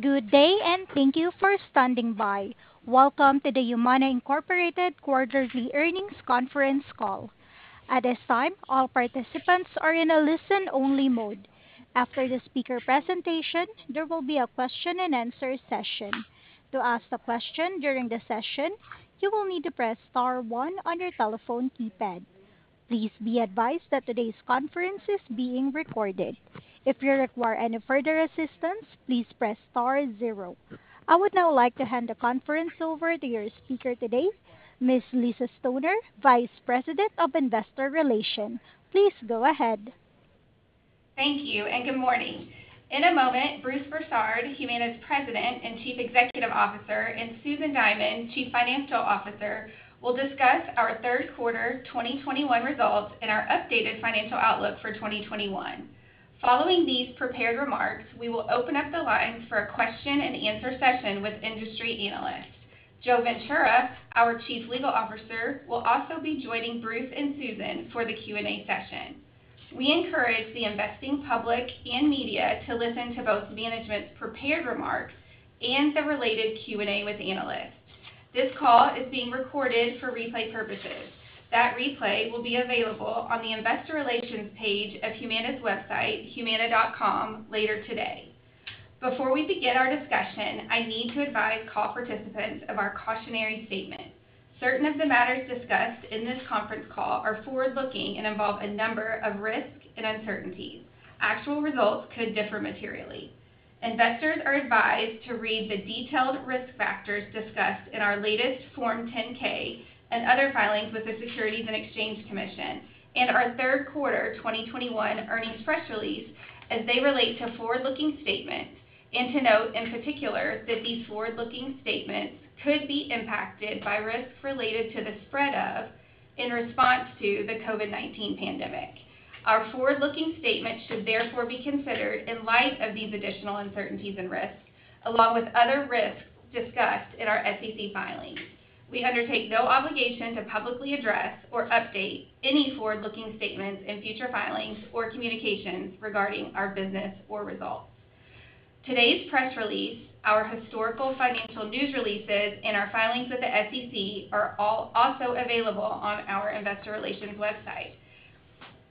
Good day, and thank you for standing by. Welcome to the Humana Incorporated Quarterly Earnings Conference Call. At this time, all participants are in a listen-only mode. After the speaker presentation, there will be a question-and-answer session. To ask a question during the session, you will need to press star one on your telephone keypad. Please be advised that today's conference is being recorded. If you require any further assistance, please press star zero. I would now like to hand the conference over to your speaker today, Ms. Lisa Stoner, Vice President of Investor Relations. Please go ahead. Thank you and good morning. In a moment, Bruce Broussard, Humana's President and Chief Executive Officer, and Susan Diamond, Chief Financial Officer, will discuss our third quarter 2021 results and our updated financial outlook for 2021. Following these prepared remarks, we will open up the lines for a question-and-answer session with industry analysts. Joe Ventura, our Chief Legal Officer, will also be joining Bruce and Susan for the Q&A session. We encourage the investing public and media to listen to both management's prepared remarks and the related Q&A with analysts. This call is being recorded for replay purposes. That replay will be available on the investor relations page of Humana's website, humana.com, later today. Before we begin our discussion, I need to advise call participants of our cautionary statement. Certain of the matters discussed in this conference call are forward-looking and involve a number of risks and uncertainties. Actual results could differ materially. Investors are advised to read the detailed risk factors discussed in our latest Form 10-K and other filings with the Securities and Exchange Commission and our third quarter 2021 earnings press release as they relate to forward-looking statements, and to note, in particular, that these forward-looking statements could be impacted by risks related to the spread of, and in response to, the COVID-19 pandemic. Our forward-looking statements should therefore be considered in light of these additional uncertainties and risks, along with other risks discussed in our SEC filings. We undertake no obligation to publicly address or update any forward-looking statements in future filings or communications regarding our business or results. Today's press release, our historical financial news releases, and our filings with the SEC are all also available on our investor relations website.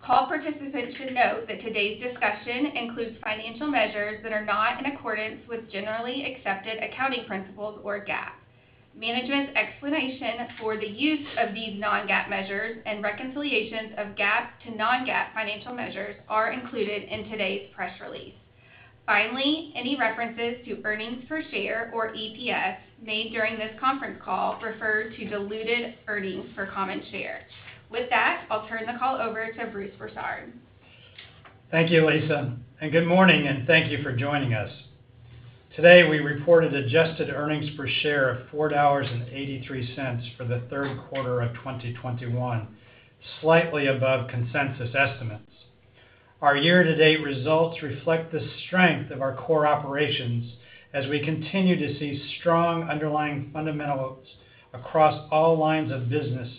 Call participants should note that today's discussion includes financial measures that are not in accordance with generally accepted accounting principles or GAAP. Management's explanation for the use of these non-GAAP measures and reconciliations of GAAP to non-GAAP financial measures are included in today's press release. Finally, any references to earnings per share or EPS made during this conference call refer to diluted earnings per common share. With that, I'll turn the call over to Bruce Broussard. Thank you, Lisa, and good morning and thank you for joining us. Today, we reported adjusted earnings per share of $4.83 for the third quarter of 2021, slightly above consensus estimates. Our year-to-date results reflect the strength of our core operations as we continue to see strong underlying fundamentals across all lines of business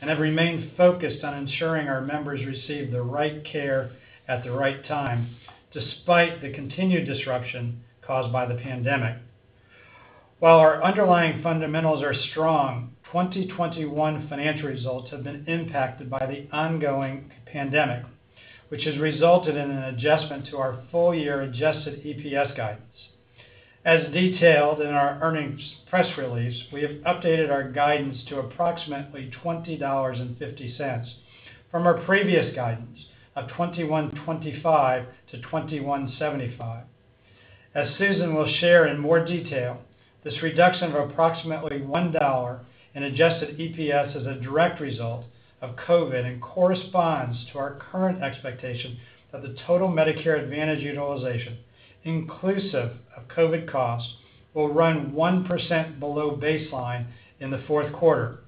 and have remained focused on ensuring our members receive the right care at the right time, despite the continued disruption caused by the pandemic. While our underlying fundamentals are strong, 2021 financial results have been impacted by the ongoing pandemic, which has resulted in an adjustment to our full-year adjusted EPS guidance. As detailed in our earnings press release, we have updated our guidance to approximately $20.50 from our previous guidance of $21.25-$21.75. As Susan will share in more detail, this reduction of approximately $1 in adjusted EPS is a direct result of COVID and corresponds to our current expectation that the total Medicare Advantage utilization, inclusive of COVID costs, will run 1% below baseline in the fourth quarter,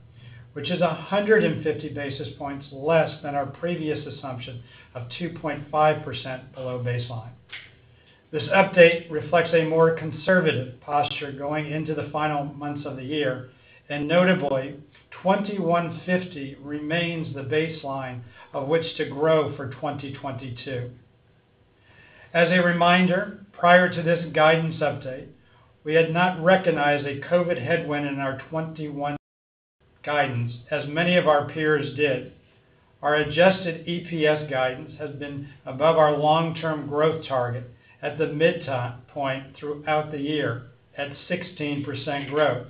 which is 150 basis points less than our previous assumption of 2.5% below baseline. This update reflects a more conservative posture going into the final months of the year, and notably, 2021 remains the baseline of which to grow for 2022. As a reminder, prior to this guidance update, we had not recognized a COVID headwind in our 2021 guidance as many of our peers did. Our adjusted EPS guidance has been above our long-term growth target at the midpoint throughout the year at 16% growth.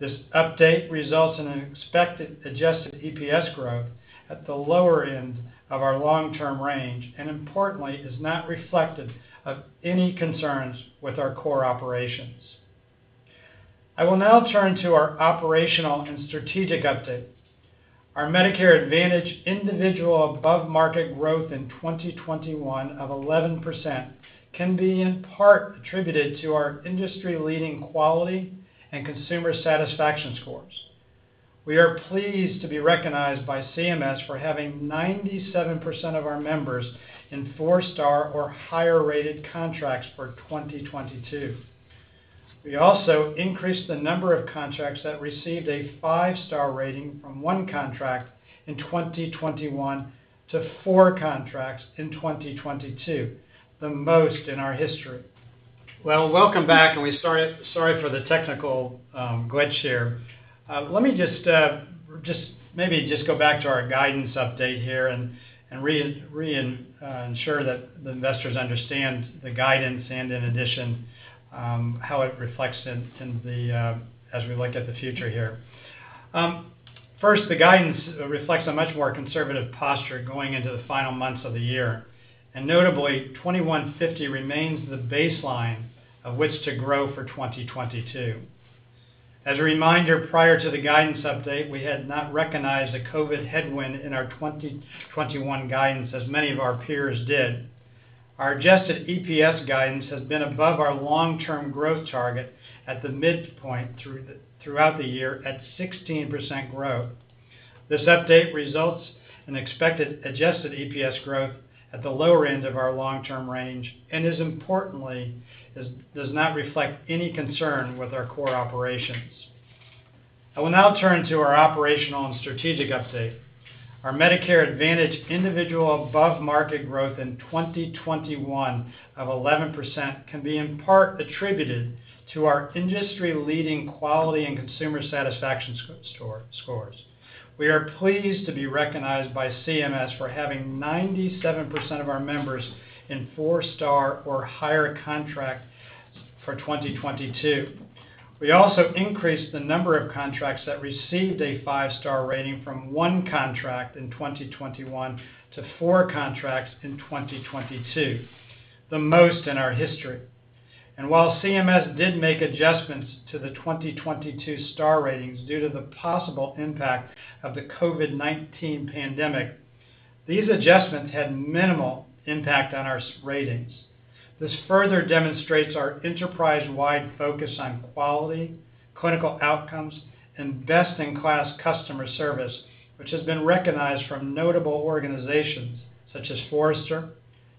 This update results in an expected adjusted EPS growth at the lower end of our long-term range and importantly, is not reflective of any concerns with our core operations. I will now turn to our operational and strategic update. Our Medicare Advantage individual above-market growth in 2021 of 11% can be in part attributed to our industry-leading quality and consumer satisfaction scores. We are pleased to be recognized by CMS for having 97% of our members in four-star or higher-rated contracts for 2022. We also increased the number of contracts that received a five-star rating from one contract in 2021 to four contracts in 2022, the most in our history. Well, welcome back, sorry for the technical glitch here. Let me just go back to our guidance update here and ensure that the investors understand the guidance and in addition, how it reflects as we look at the future here. First, the guidance reflects a much more conservative posture going into the final months of the year. Notably, $21.50 remains the baseline of which to grow for 2022. As a reminder, prior to the guidance update, we had not recognized a COVID headwind in our 2021 guidance as many of our peers did. Our adjusted EPS guidance has been above our long-term growth target at the midpoint throughout the year at 16% growth. This update results in expected adjusted EPS growth at the lower end of our long-term range and is importantly does not reflect any concern with our core operations. I will now turn to our operational and strategic update. Our Medicare Advantage individual above-market growth in 2021 of 11% can be in part attributed to our industry-leading quality and consumer satisfaction scores. We are pleased to be recognized by CMS for having 97% of our members in four-star or higher contract for 2022. We also increased the number of contracts that received a five-star rating from one contract in 2021 to four contracts in 2022, the most in our history. While CMS did make adjustments to the 2022 star ratings due to the possible impact of the COVID-19 pandemic, these adjustments had minimal impact on our star ratings. This further demonstrates our enterprise-wide focus on quality, clinical outcomes, and best-in-class customer service, which has been recognized from notable organizations such as Forrester,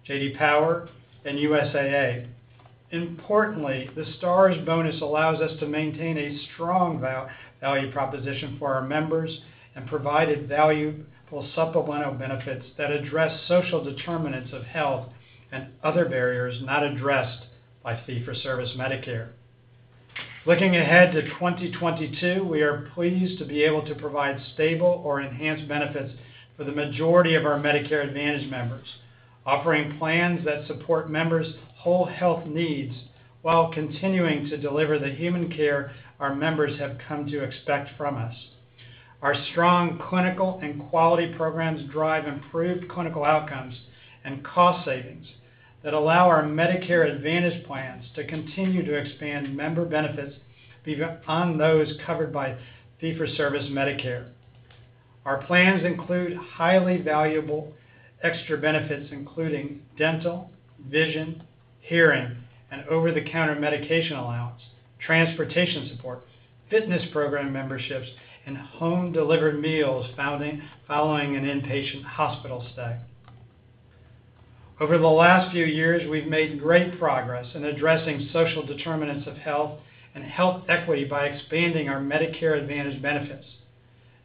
J.D. Power, and USAA. Importantly, the STARS bonus allows us to maintain a strong value proposition for our members and provided valuable supplemental benefits that address social determinants of health and other barriers not addressed by fee-for-service Medicare. Looking ahead to 2022, we are pleased to be able to provide stable or enhanced benefits for the majority of our Medicare Advantage members, offering plans that support members' whole health needs while continuing to deliver the Humana care our members have come to expect from us. Our strong clinical and quality programs drive improved clinical outcomes and cost savings that allow our Medicare Advantage plans to continue to expand member benefits beyond those covered by fee-for-service Medicare. Our plans include highly valuable extra benefits, including dental, vision, hearing, an over-the-counter medication allowance, transportation support, fitness program memberships, and home-delivered meals following an inpatient hospital stay. Over the last few years, we've made great progress in addressing social determinants of health and health equity by expanding our Medicare Advantage benefits.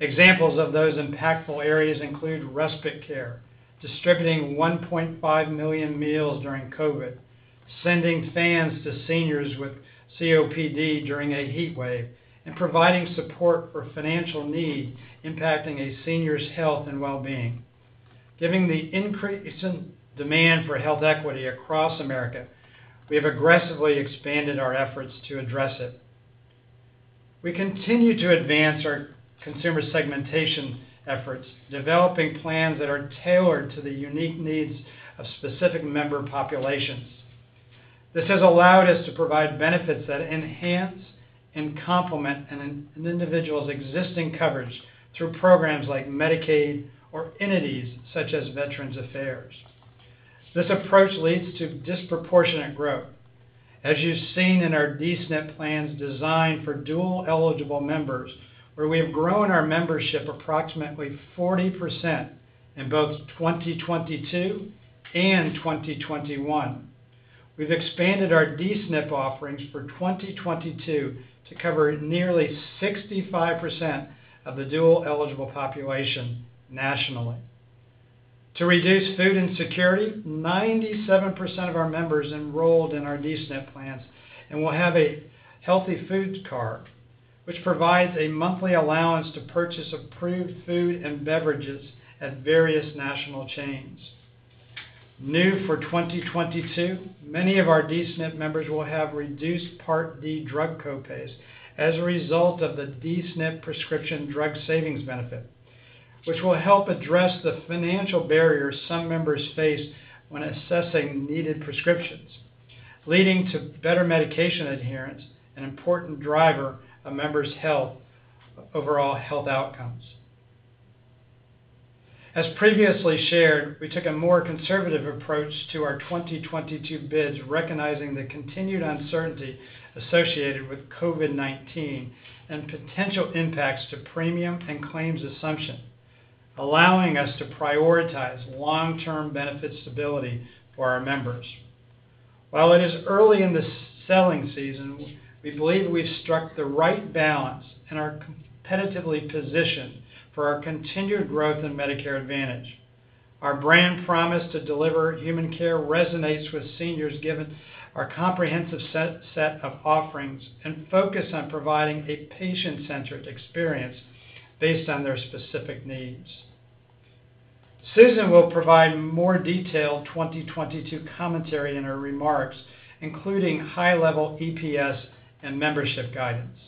Examples of those impactful areas include respite care, distributing 1.5 million meals during COVID, sending fans to seniors with COPD during a heatwave, and providing support for financial need impacting a senior's health and well-being. Given the increasing demand for health equity across America, we have aggressively expanded our efforts to address it. We continue to advance our consumer segmentation efforts, developing plans that are tailored to the unique needs of specific member populations. This has allowed us to provide benefits that enhance and complement an individual's existing coverage through programs like Medicaid or entities such as Veterans Affairs. This approach leads to disproportionate growth. As you've seen in our D-SNP plans designed for dual-eligible members, where we have grown our membership approximately 40% in both 2022 and 2021. We've expanded our D-SNP offerings for 2022 to cover nearly 65% of the dual-eligible population nationally. To reduce food insecurity, 97% of our members enrolled in our D-SNP plans and will have a Healthy Foods Card, which provides a monthly allowance to purchase approved food and beverages at various national chains. New for 2022, many of our D-SNP members will have reduced Part D drug copays as a result of the D-SNP prescription drug savings benefit, which will help address the financial barriers some members face when accessing needed prescriptions, leading to better medication adherence, an important driver of members' health, overall health outcomes. As previously shared, we took a more conservative approach to our 2022 bids, recognizing the continued uncertainty associated with COVID-19 and potential impacts to premium and claims assumption, allowing us to prioritize long-term benefit stability for our members. While it is early in the selling season, we believe we've struck the right balance and are competitively positioned for our continued growth in Medicare Advantage. Our brand promise to deliver human care resonates with seniors, given our comprehensive set of offerings and focus on providing a patient-centered experience based on their specific needs. Susan will provide more detailed 2022 commentary in her remarks, including high-level EPS and membership guidance.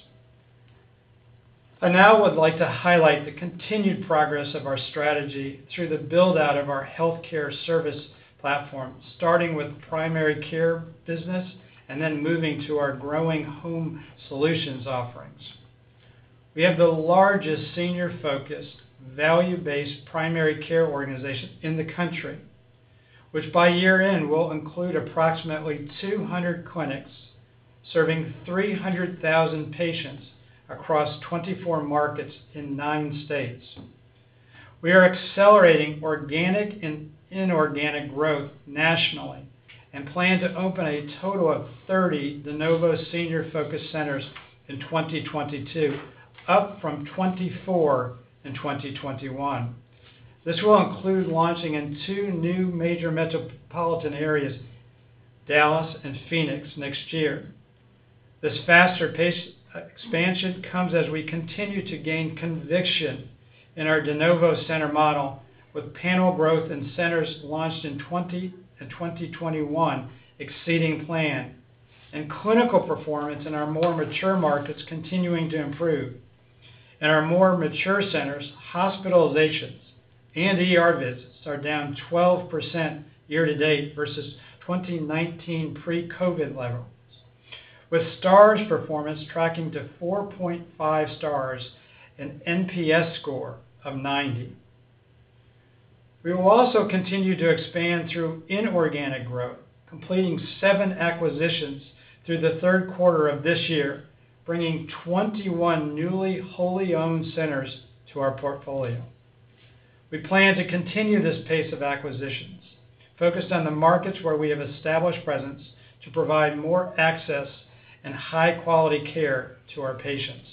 I now would like to highlight the continued progress of our strategy through the build-out of our healthcare service platform, starting with primary care business and then moving to our growing home solutions offerings. We have the largest senior-focused, value-based primary care organization in the country, which by year-end will include approximately 200 clinics serving 300,000 patients across 24 markets in nine states. We are accelerating organic and inorganic growth nationally and plan to open a total of 30 de novo senior-focused centers in 2022, up from 24 in 2021. This will include launching in two new major metropolitan areas, Dallas and Phoenix, next year. This faster pace expansion comes as we continue to gain conviction in our de novo center model, with panel growth and centers launched in 2020 and 2021 exceeding plan, and clinical performance in our more mature markets continuing to improve. In our more mature centers, hospitalizations and ER visits are down 12% year to date versus 2019 pre-COVID levels, with STARS performance tracking to 4.5 stars, an NPS score of 90. We will also continue to expand through inorganic growth, completing seven acquisitions through the third quarter of this year, bringing 21 newly wholly owned centers to our portfolio. We plan to continue this pace of acquisitions, focused on the markets where we have established presence to provide more access and high-quality care to our patients.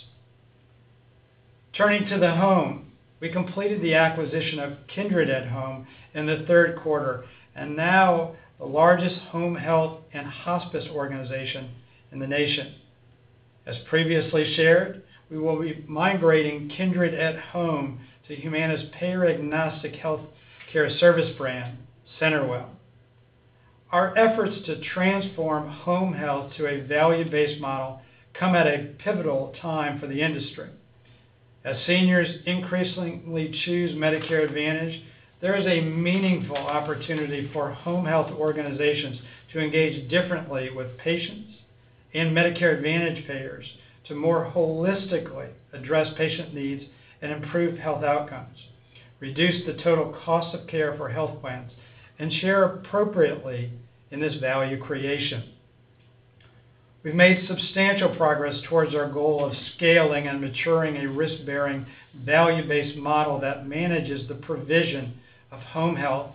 Turning to the home, we completed the acquisition of Kindred at Home in the third quarter and now are the largest home health and hospice organization in the nation. As previously shared, we will be migrating Kindred at Home to Humana's payer-agnostic healthcare service brand, CenterWell. Our efforts to transform home health to a value-based model come at a pivotal time for the industry. As seniors increasingly choose Medicare Advantage, there is a meaningful opportunity for home health organizations to engage differently with patients and Medicare Advantage payers to more holistically address patient needs and improve health outcomes, reduce the total cost of care for health plans, and share appropriately in this value creation. We've made substantial progress towards our goal of scaling and maturing a risk-bearing, value-based model that manages the provision of home health,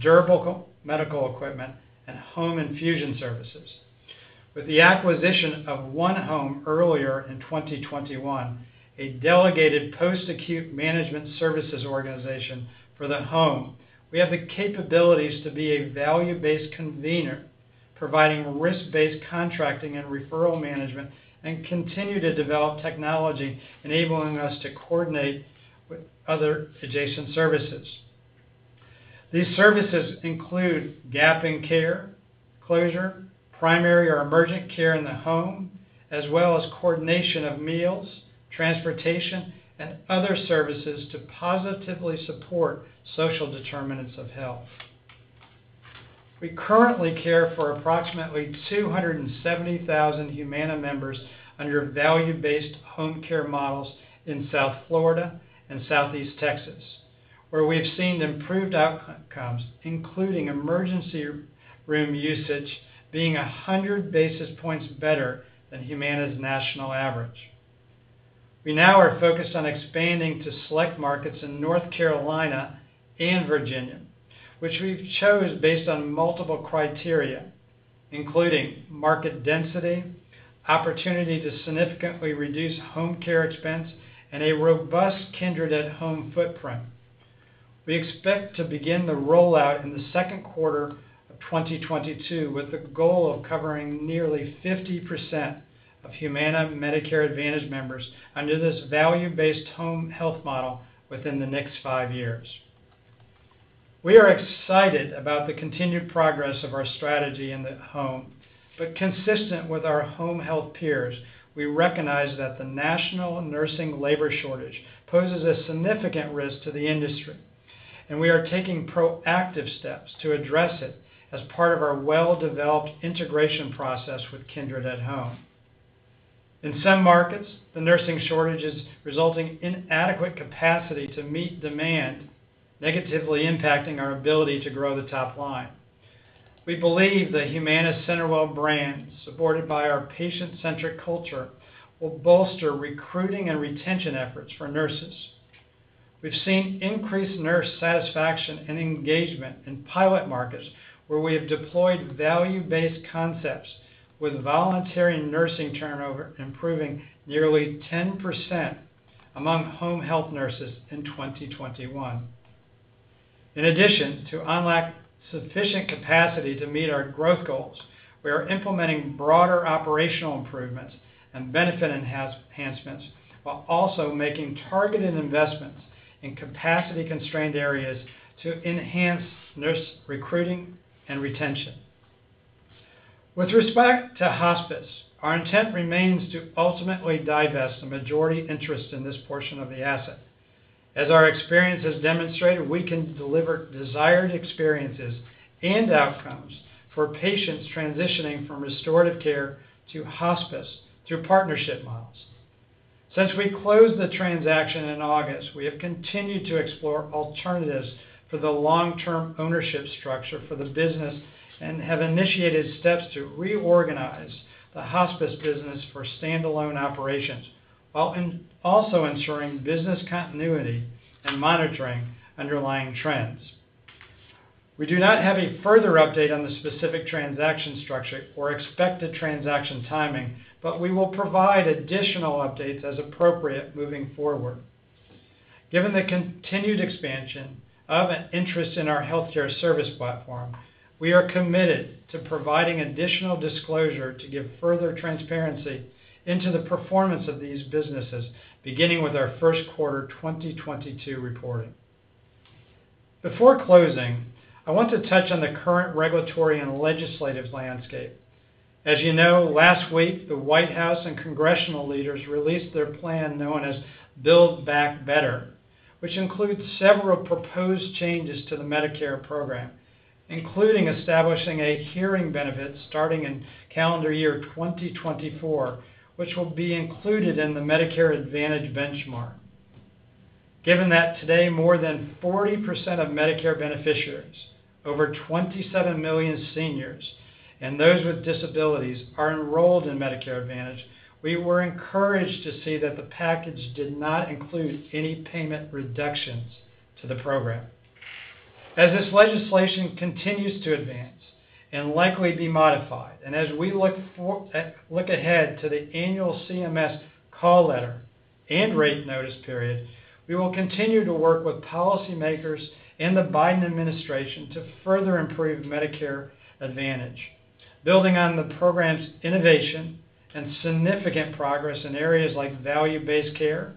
durable medical equipment, and home infusion services. With the acquisition of onehome earlier in 2021, a delegated post-acute management services organization for the home, we have the capabilities to be a value-based convener, providing risk-based contracting and referral management, and continue to develop technology enabling us to coordinate with other adjacent services. These services include gap in care, closure, primary or emergent care in the home, as well as coordination of meals, transportation, and other services to positively support social determinants of health. We currently care for approximately 270,000 Humana members under value-based home care models in South Florida and Southeast Texas, where we have seen improved outcomes, including emergency room usage being 100 basis points better than Humana's national average. We now are focused on expanding to select markets in North Carolina and Virginia, which we've chosen based on multiple criteria, including market density, opportunity to significantly reduce home care expense, and a robust Kindred at Home footprint. We expect to begin the rollout in the second quarter of 2022, with the goal of covering nearly 50% of Humana Medicare Advantage members under this value-based home health model within the next five years. We are excited about the continued progress of our strategy in the home, but consistent with our home health peers, we recognize that the national nursing labor shortage poses a significant risk to the industry, and we are taking proactive steps to address it as part of our well-developed integration process with Kindred at Home. In some markets, the nursing shortage is resulting in adequate capacity to meet demand, negatively impacting our ability to grow the top line. We believe the Humana CenterWell brand, supported by our patient-centric culture, will bolster recruiting and retention efforts for nurses. We've seen increased nurse satisfaction and engagement in pilot markets where we have deployed value-based concepts with voluntary nursing turnover improving nearly 10% among home health nurses in 2021. In addition, to unlock sufficient capacity to meet our growth goals, we are implementing broader operational improvements and benefit enhancements, while also making targeted investments in capacity-constrained areas to enhance nurse recruiting and retention. With respect to hospice, our intent remains to ultimately divest the majority interest in this portion of the asset. As our experience has demonstrated, we can deliver desired experiences and outcomes for patients transitioning from restorative care to hospice through partnership models. Since we closed the transaction in August, we have continued to explore alternatives for the long-term ownership structure for the business and have initiated steps to reorganize the hospice business for standalone operations, while also ensuring business continuity and monitoring underlying trends. We do not have a further update on the specific transaction structure or expected transaction timing, but we will provide additional updates as appropriate moving forward. Given the continued expansion of an interest in our healthcare service platform, we are committed to providing additional disclosure to give further transparency into the performance of these businesses, beginning with our first quarter 2022 reporting. Before closing, I want to touch on the current regulatory and legislative landscape. As you know, last week, the White House and congressional leaders released their plan known as Build Back Better, which includes several proposed changes to the Medicare program, including establishing a hearing benefit starting in calendar year 2024, which will be included in the Medicare Advantage benchmark. Given that today more than 40% of Medicare beneficiaries, over 27 million seniors, and those with disabilities are enrolled in Medicare Advantage, we were encouraged to see that the package did not include any payment reductions to the program. As this legislation continues to advance and likely be modified, and as we look ahead to the annual CMS call letter and rate notice period, we will continue to work with policymakers and the Biden administration to further improve Medicare Advantage, building on the program's innovation and significant progress in areas like value-based care,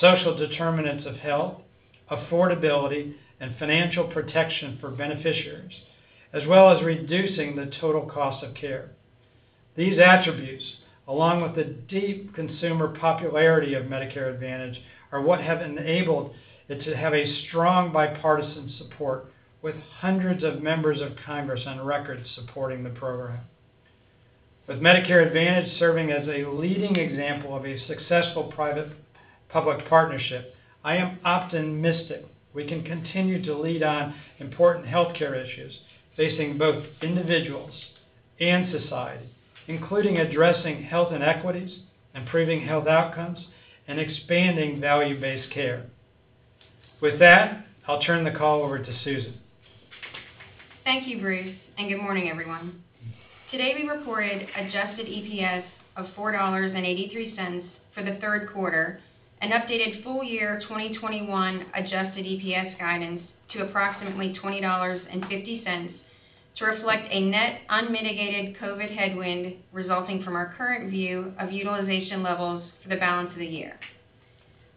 social determinants of health, affordability, and financial protection for beneficiaries, as well as reducing the total cost of care. These attributes, along with the deep consumer popularity of Medicare Advantage, are what have enabled it to have a strong bipartisan support with hundreds of members of Congress on record supporting the program. With Medicare Advantage serving as a leading example of a successful private-public partnership, I am optimistic we can continue to lead on important healthcare issues facing both individuals and society, including addressing health inequities, improving health outcomes, and expanding value-based care. With that, I'll turn the call over to Susan. Thank you, Bruce, and good morning, everyone. Today, we reported adjusted EPS of $4.83 for the third quarter and updated full year 2021 adjusted EPS guidance to approximately $20.50 to reflect a net unmitigated COVID headwind resulting from our current view of utilization levels for the balance of the year.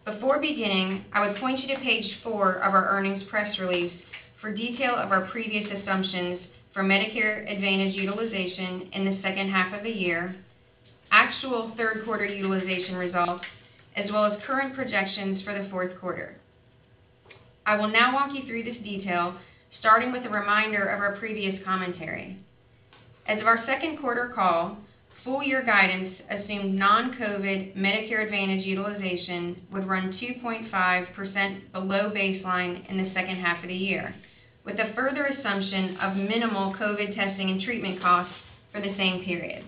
Before beginning, I would point you to page four of our earnings press release for detail of our previous assumptions for Medicare Advantage utilization in the second half of the year, actual third quarter utilization results, as well as current projections for the fourth quarter. I will now walk you through this detail, starting with a reminder of our previous commentary. As of our second quarter call, full year guidance assumed non-COVID Medicare Advantage utilization would run 2.5% below baseline in the second half of the year, with the further assumption of minimal COVID testing and treatment costs for the same period.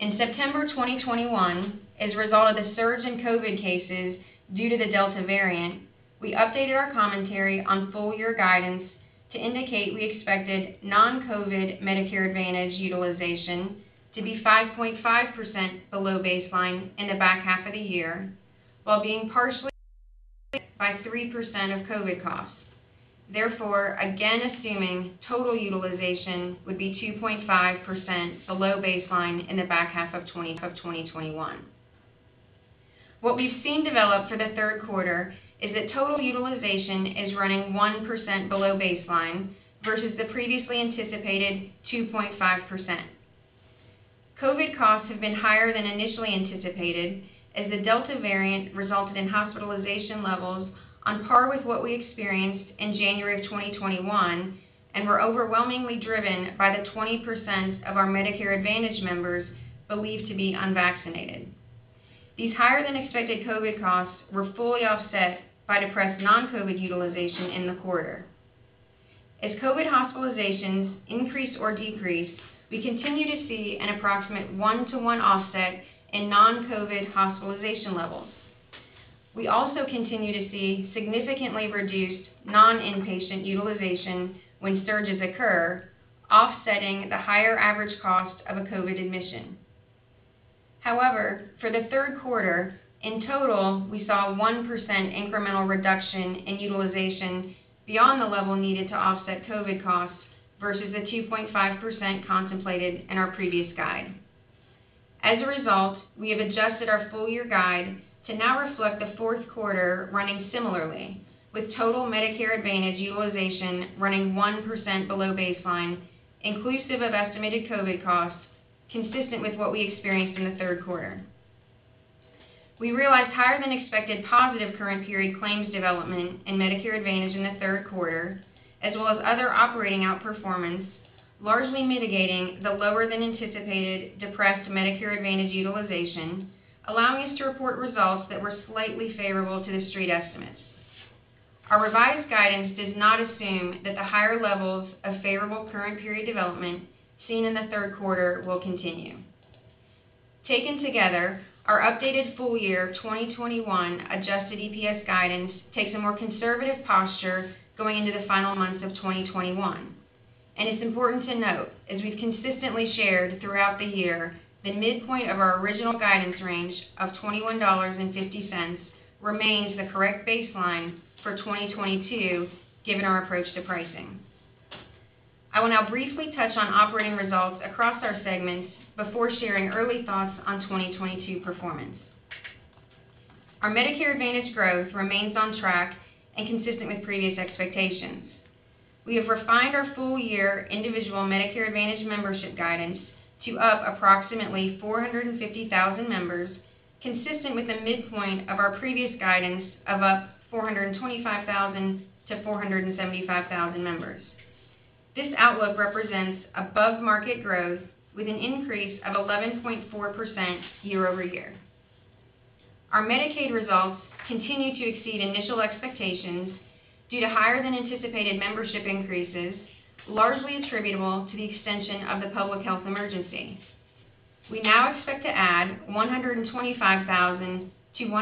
In September 2021, as a result of the surge in COVID cases due to the Delta variant, we updated our commentary on full year guidance to indicate we expected non-COVID Medicare Advantage utilization to be 5.5% below baseline in the back half of the year, while being partially offset by 3% of COVID costs, therefore again assuming total utilization would be 2.5% below baseline in the back half of 2021. What we've seen develop for the third quarter is that total utilization is running 1% below baseline versus the previously anticipated 2.5%. COVID costs have been higher than initially anticipated as the Delta variant resulted in hospitalization levels on par with what we experienced in January 2021 and were overwhelmingly driven by the 20% of our Medicare Advantage members believed to be unvaccinated. These higher than expected COVID costs were fully offset by depressed non-COVID utilization in the quarter. As COVID hospitalizations increase or decrease, we continue to see an approximate one-to-one offset in non-COVID hospitalization levels. We also continue to see significantly reduced non-inpatient utilization when surges occur, offsetting the higher average cost of a COVID admission. However, for the third quarter, in total, we saw 1% incremental reduction in utilization beyond the level needed to offset COVID costs versus the 2.5% contemplated in our previous guide. As a result, we have adjusted our full year guide to now reflect the fourth quarter running similarly with total Medicare Advantage utilization running 1% below baseline, inclusive of estimated COVID costs, consistent with what we experienced in the third quarter. We realized higher than expected positive current period claims development in Medicare Advantage in the third quarter, as well as other operating outperformance, largely mitigating the lower than anticipated depressed Medicare Advantage utilization, allowing us to report results that were slightly favorable to the Street estimates. Our revised guidance does not assume that the higher levels of favorable current period development seen in the third quarter will continue. Taken together, our updated full year 2021 adjusted EPS guidance takes a more conservative posture going into the final months of 2021. It's important to note, as we've consistently shared throughout the year, the midpoint of our original guidance range of $21.50 remains the correct baseline for 2022, given our approach to pricing. I will now briefly touch on operating results across our segments before sharing early thoughts on 2022 performance. Our Medicare Advantage growth remains on track and consistent with previous expectations. We have refined our full year individual Medicare Advantage membership guidance to up approximately 450,000 members, consistent with the midpoint of our previous guidance of up 425,000-475,000 members. This outlook represents above-market growth with an increase of 11.4% year-over-year. Our Medicaid results continue to exceed initial expectations due to higher than anticipated membership increases, largely attributable to the extension of the public health emergency. We now expect to add 125,000-150,000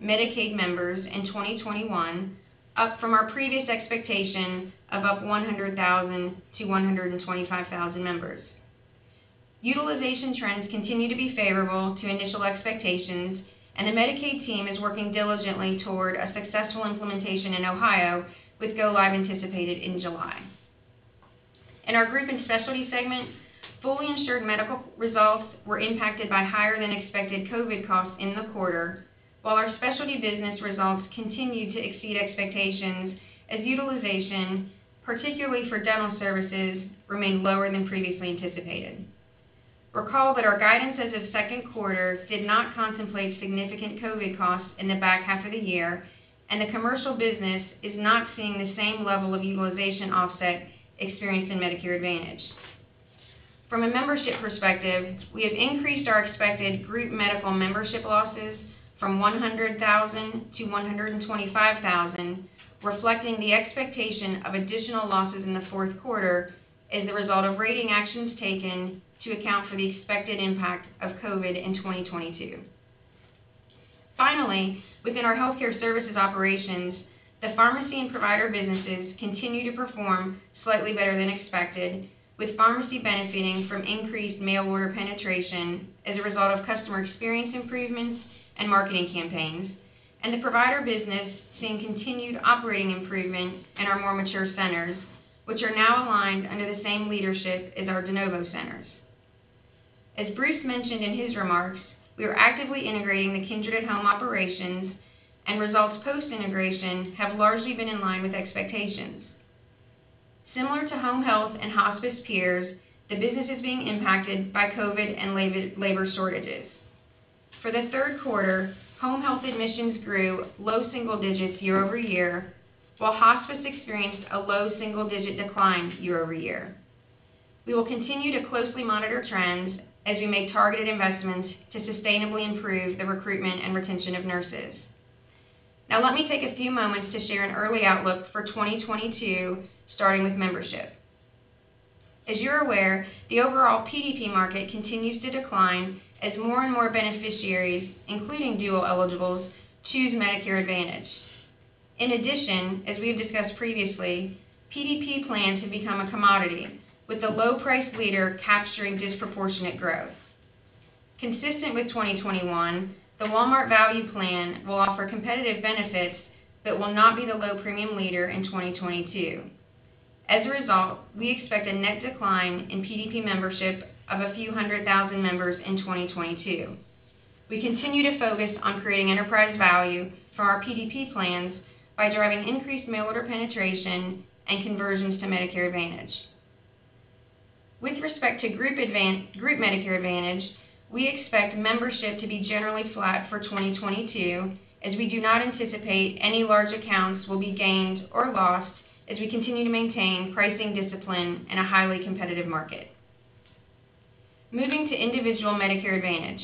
Medicaid members in 2021, up from our previous expectation of up 100,000-125,000 members. Utilization trends continue to be favorable to initial expectations, and the Medicaid team is working diligently toward a successful implementation in Ohio with go live anticipated in July. In our Group and Specialty segment, fully insured medical results were impacted by higher than expected COVID costs in the quarter, while our specialty business results continued to exceed expectations as utilization, particularly for dental services, remained lower than previously anticipated. Recall that our guidance as of second quarter did not contemplate significant COVID costs in the back half of the year, and the commercial business is not seeing the same level of utilization offset experienced in Medicare Advantage. From a membership perspective, we have increased our expected group medical membership losses from 100,000 to 125,000, reflecting the expectation of additional losses in the fourth quarter as a result of rating actions taken to account for the expected impact of COVID in 2022. Finally, within our healthcare services operations, the pharmacy and provider businesses continue to perform slightly better than expected, with pharmacy benefiting from increased mail order penetration as a result of customer experience improvements and marketing campaigns, and the provider business seeing continued operating improvement in our more mature centers, which are now aligned under the same leadership as our de novo centers. As Bruce mentioned in his remarks, we are actively integrating the Kindred at Home operations, and results post-integration have largely been in line with expectations. Similar to home health and hospice peers, the business is being impacted by COVID and labor shortages. For the third quarter, home health admissions grew low single digits year-over-year, while hospice experienced a low single-digit decline year-over-year. We will continue to closely monitor trends as we make targeted investments to sustainably improve the recruitment and retention of nurses. Now, let me take a few moments to share an early outlook for 2022, starting with membership. As you're aware, the overall PDP market continues to decline as more and more beneficiaries, including dual eligibles, choose Medicare Advantage. In addition, as we have discussed previously, PDP plans have become a commodity, with the low price leader capturing disproportionate growth. Consistent with 2021, the Walmart Value Plan will offer competitive benefits but will not be the low premium leader in 2022. As a result, we expect a net decline in PDP membership of a few hundred thousand members in 2022. We continue to focus on creating enterprise value for our PDP plans by driving increased mail order penetration and conversions to Medicare Advantage. With respect to group Medicare Advantage, we expect membership to be generally flat for 2022, as we do not anticipate any large accounts will be gained or lost as we continue to maintain pricing discipline in a highly competitive market. Moving to individual Medicare Advantage.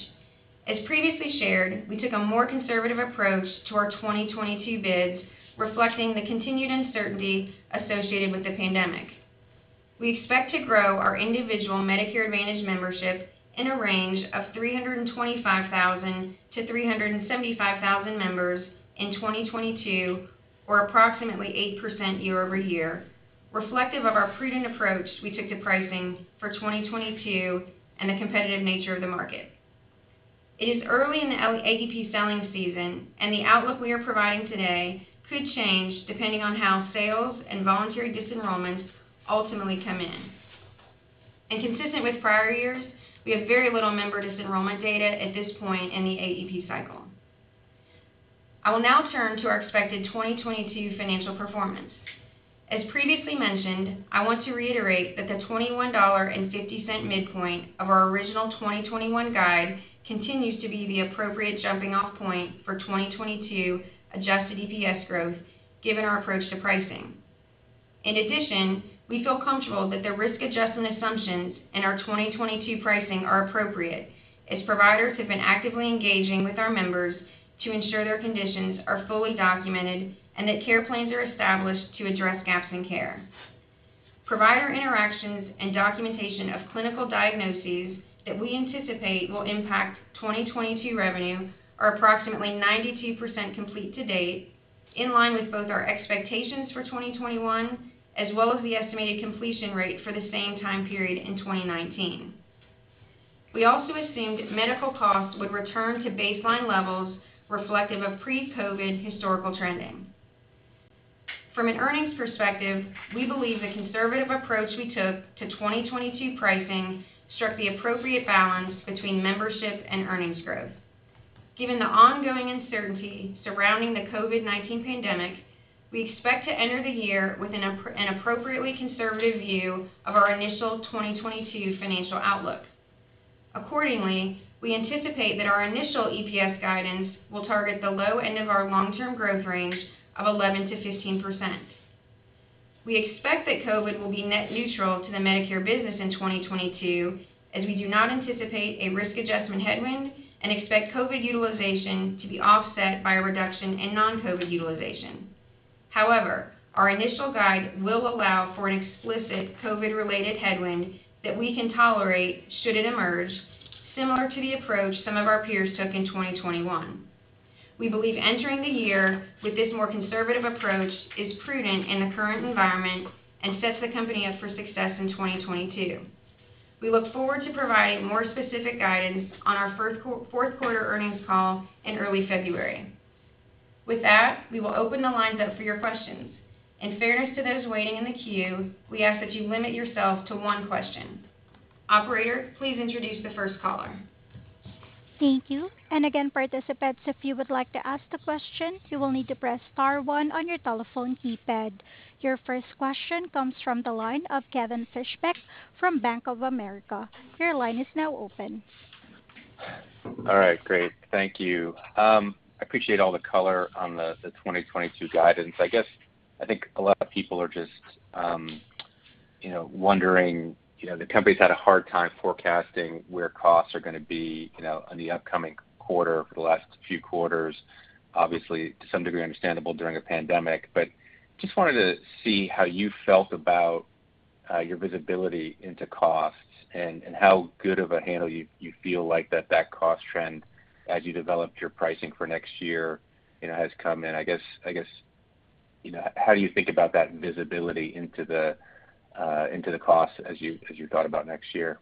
As previously shared, we took a more conservative approach to our 2022 bids, reflecting the continued uncertainty associated with the pandemic. We expect to grow our individual Medicare Advantage membership in a range of 325,000-375,000 members in 2022 or approximately 8% year-over-year, reflective of our prudent approach we took to pricing for 2022 and the competitive nature of the market. It is early in the AEP selling season, and the outlook we are providing today could change depending on how sales and voluntary disenrollments ultimately come in. Consistent with prior years, we have very little member disenrollment data at this point in the AEP cycle. I will now turn to our expected 2022 financial performance. As previously mentioned, I want to reiterate that the $21.50 midpoint of our original 2021 guide continues to be the appropriate jumping off point for 2022 adjusted EPS growth, given our approach to pricing. In addition, we feel comfortable that the risk adjustment assumptions in our 2022 pricing are appropriate, as providers have been actively engaging with our members to ensure their conditions are fully documented and that care plans are established to address gaps in care. Provider interactions and documentation of clinical diagnoses that we anticipate will impact 2022 revenue are approximately 92% complete to date, in line with both our expectations for 2021 as well as the estimated completion rate for the same time period in 2019. We also assumed medical costs would return to baseline levels reflective of pre-COVID historical trending. From an earnings perspective, we believe the conservative approach we took to 2022 pricing struck the appropriate balance between membership and earnings growth. Given the ongoing uncertainty surrounding the COVID-19 pandemic, we expect to enter the year with an appropriately conservative view of our initial 2022 financial outlook. Accordingly, we anticipate that our initial EPS guidance will target the low end of our long-term growth range of 11%-15%. We expect that COVID will be net neutral to the Medicare business in 2022, as we do not anticipate a risk adjustment headwind and expect COVID utilization to be offset by a reduction in non-COVID utilization. However, our initial guide will allow for an explicit COVID-related headwind that we can tolerate should it emerge, similar to the approach some of our peers took in 2021. We believe entering the year with this more conservative approach is prudent in the current environment and sets the company up for success in 2022. We look forward to providing more specific guidance on our fourth quarter earnings call in early February. With that, we will open the lines up for your questions. In fairness to those waiting in the queue, we ask that you limit yourself to one question. Operator, please introduce the first caller. Thank you. Again, participants, if you would like to ask the question, you will need to press star one on your telephone keypad. Your first question comes from the line of Kevin Fischbeck from Bank of America. Your line is now open. All right, great. Thank you. I appreciate all the color on the 2022 guidance. I guess, I think a lot of people are just, you know, wondering, you know, the company's had a hard time forecasting where costs are gonna be, you know, on the upcoming quarter for the last few quarters, obviously to some degree understandable during a pandemic. But just wanted to see how you felt about your visibility into costs and how good of a handle you feel like that cost trend as you developed your pricing for next year, you know, has come in. I guess, you know, how do you think about that visibility into the cost as you thought about next year?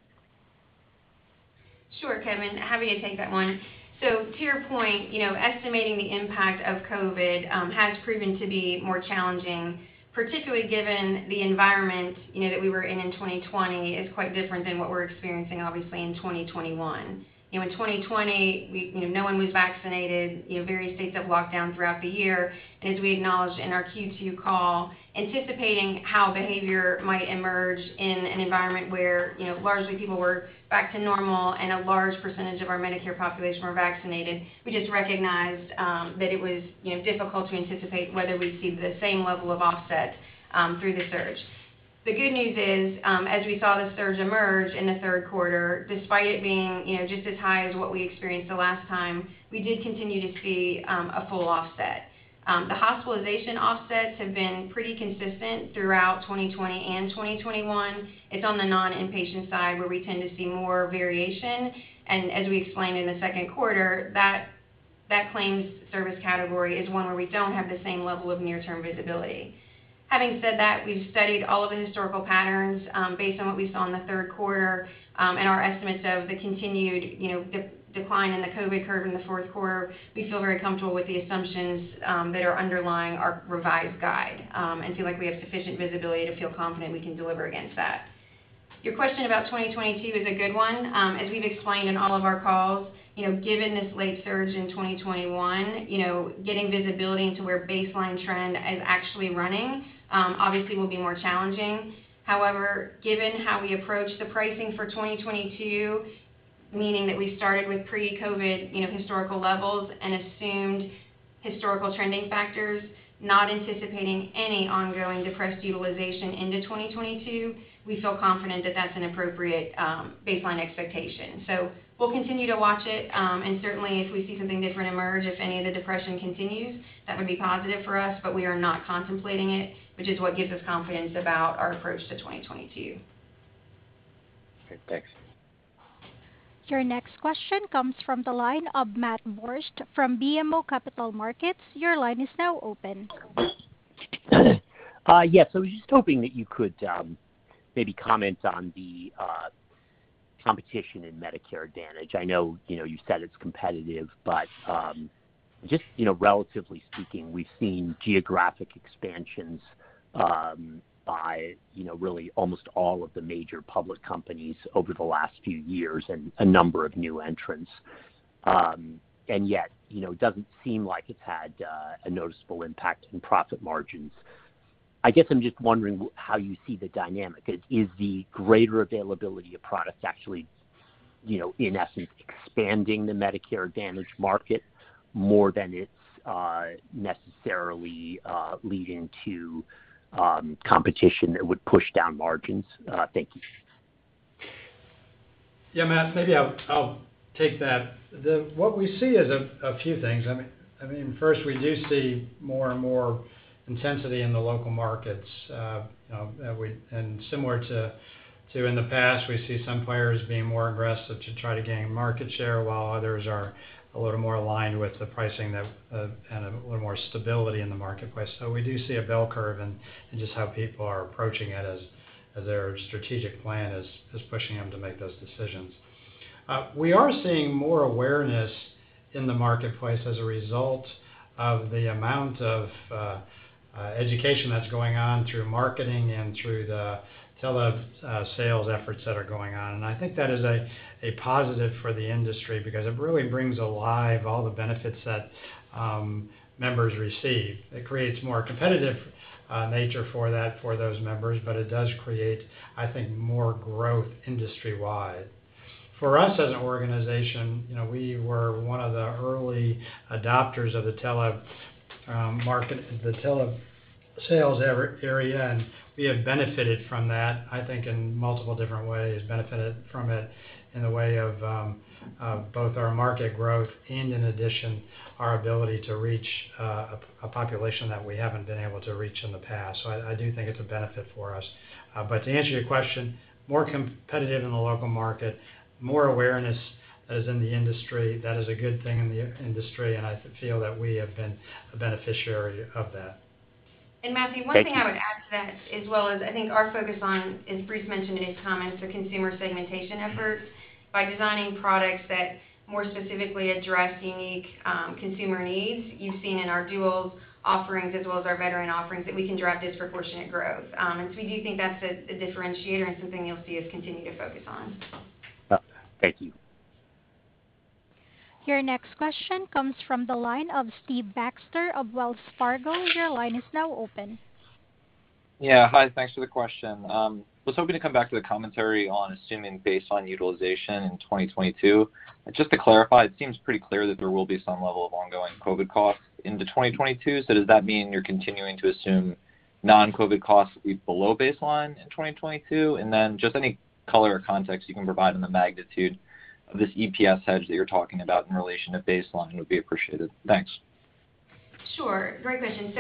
Sure, Kevin, happy to take that one. To your point, you know, estimating the impact of COVID has proven to be more challenging, particularly given the environment, you know, that we were in in 2020 is quite different than what we're experiencing obviously in 2021. You know, in 2020, we, you know, no one was vaccinated, you know, various states have locked down throughout the year. As we acknowledged in our Q2 call, anticipating how behavior might emerge in an environment where, you know, largely people were back to normal and a large percentage of our Medicare population were vaccinated. We just recognized that it was, you know, difficult to anticipate whether we'd see the same level of offset through the surge. The good news is, as we saw the surge emerge in the third quarter, despite it being, you know, just as high as what we experienced the last time, we did continue to see a full offset. The hospitalization offsets have been pretty consistent throughout 2020 and 2021. It's on the non-inpatient side where we tend to see more variation. As we explained in the second quarter, that claims service category is one where we don't have the same level of near-term visibility. Having said that, we've studied all of the historical patterns, based on what we saw in the third quarter, and our estimates of the continued, you know, decline in the COVID curve in the fourth quarter. We feel very comfortable with the assumptions that are underlying our revised guide and feel like we have sufficient visibility to feel confident we can deliver against that. Your question about 2022 is a good one. As we've explained in all of our calls, you know, given this late surge in 2021, you know, getting visibility into where baseline trend is actually running, obviously will be more challenging. However, given how we approach the pricing for 2022, meaning that we started with pre-COVID, you know, historical levels and assumed historical trending factors, not anticipating any ongoing depressed utilization into 2022. We feel confident that that's an appropriate baseline expectation. We'll continue to watch it, and certainly if we see something different emerge, if any of the recession continues, that would be positive for us, but we are not contemplating it, which is what gives us confidence about our approach to 2022. Great. Thanks. Your next question comes from the line of Matt Borsch from BMO Capital Markets. Your line is now open. Yes, I was just hoping that you could maybe comment on the competition in Medicare Advantage. I know, you know, you said it's competitive, but just, you know, relatively speaking, we've seen geographic expansions by, you know, really almost all of the major public companies over the last few years and a number of new entrants. Yet, you know, it doesn't seem like it's had a noticeable impact in profit margins. I guess I'm just wondering how you see the dynamic. Is the greater availability of products actually, you know, in essence, expanding the Medicare Advantage market more than it's necessarily leading to competition that would push down margins? Thank you. Yeah, Matt, maybe I'll take that. What we see is a few things. I mean, first, we do see more and more intensity in the local markets, you know. Similar to in the past, we see some players being more aggressive to try to gain market share, while others are a little more aligned with the pricing that and a little more stability in the marketplace. So we do see a bell curve in just how people are approaching it as their strategic plan is pushing them to make those decisions. We are seeing more awareness in the marketplace as a result of the amount of education that's going on through marketing and through the tele sales efforts that are going on. I think that is a positive for the industry because it really brings to life all the benefits that members receive. It creates more competitive nature for that, for those members, but it does create, I think, more growth industry-wide. For us as an organization, you know, we were one of the early adopters of the tele market, the telesales area, and we have benefited from that, I think, in multiple different ways, benefited from it in the way of both our market growth and in addition, our ability to reach a population that we haven't been able to reach in the past. I do think it's a benefit for us. But to answer your question, more competitive in the local market, more awareness that is in the industry. That is a good thing in the industry, and I feel that we have been a beneficiary of that. Thank you. Matthew, one thing I would add to that as well is I think our focus on, as Bruce mentioned in his comments, are consumer segmentation efforts. By designing products that more specifically address unique consumer needs, you've seen in our dual offerings as well as our veteran offerings, that we can drive disproportionate growth. We do think that's a differentiator and something you'll see us continue to focus on. Thank you. Your next question comes from the line of Stephen Baxter of Wells Fargo. Your line is now open. Yeah. Hi. Thanks for the question. I was hoping to come back to the commentary on assuming baseline utilization in 2022. Just to clarify, it seems pretty clear that there will be some level of ongoing COVID costs into 2022. Does that mean you're continuing to assume non-COVID costs will be below baseline in 2022? Any color or context you can provide on the magnitude of this EPS hedge that you're talking about in relation to baseline would be appreciated. Thanks. Sure. Great question.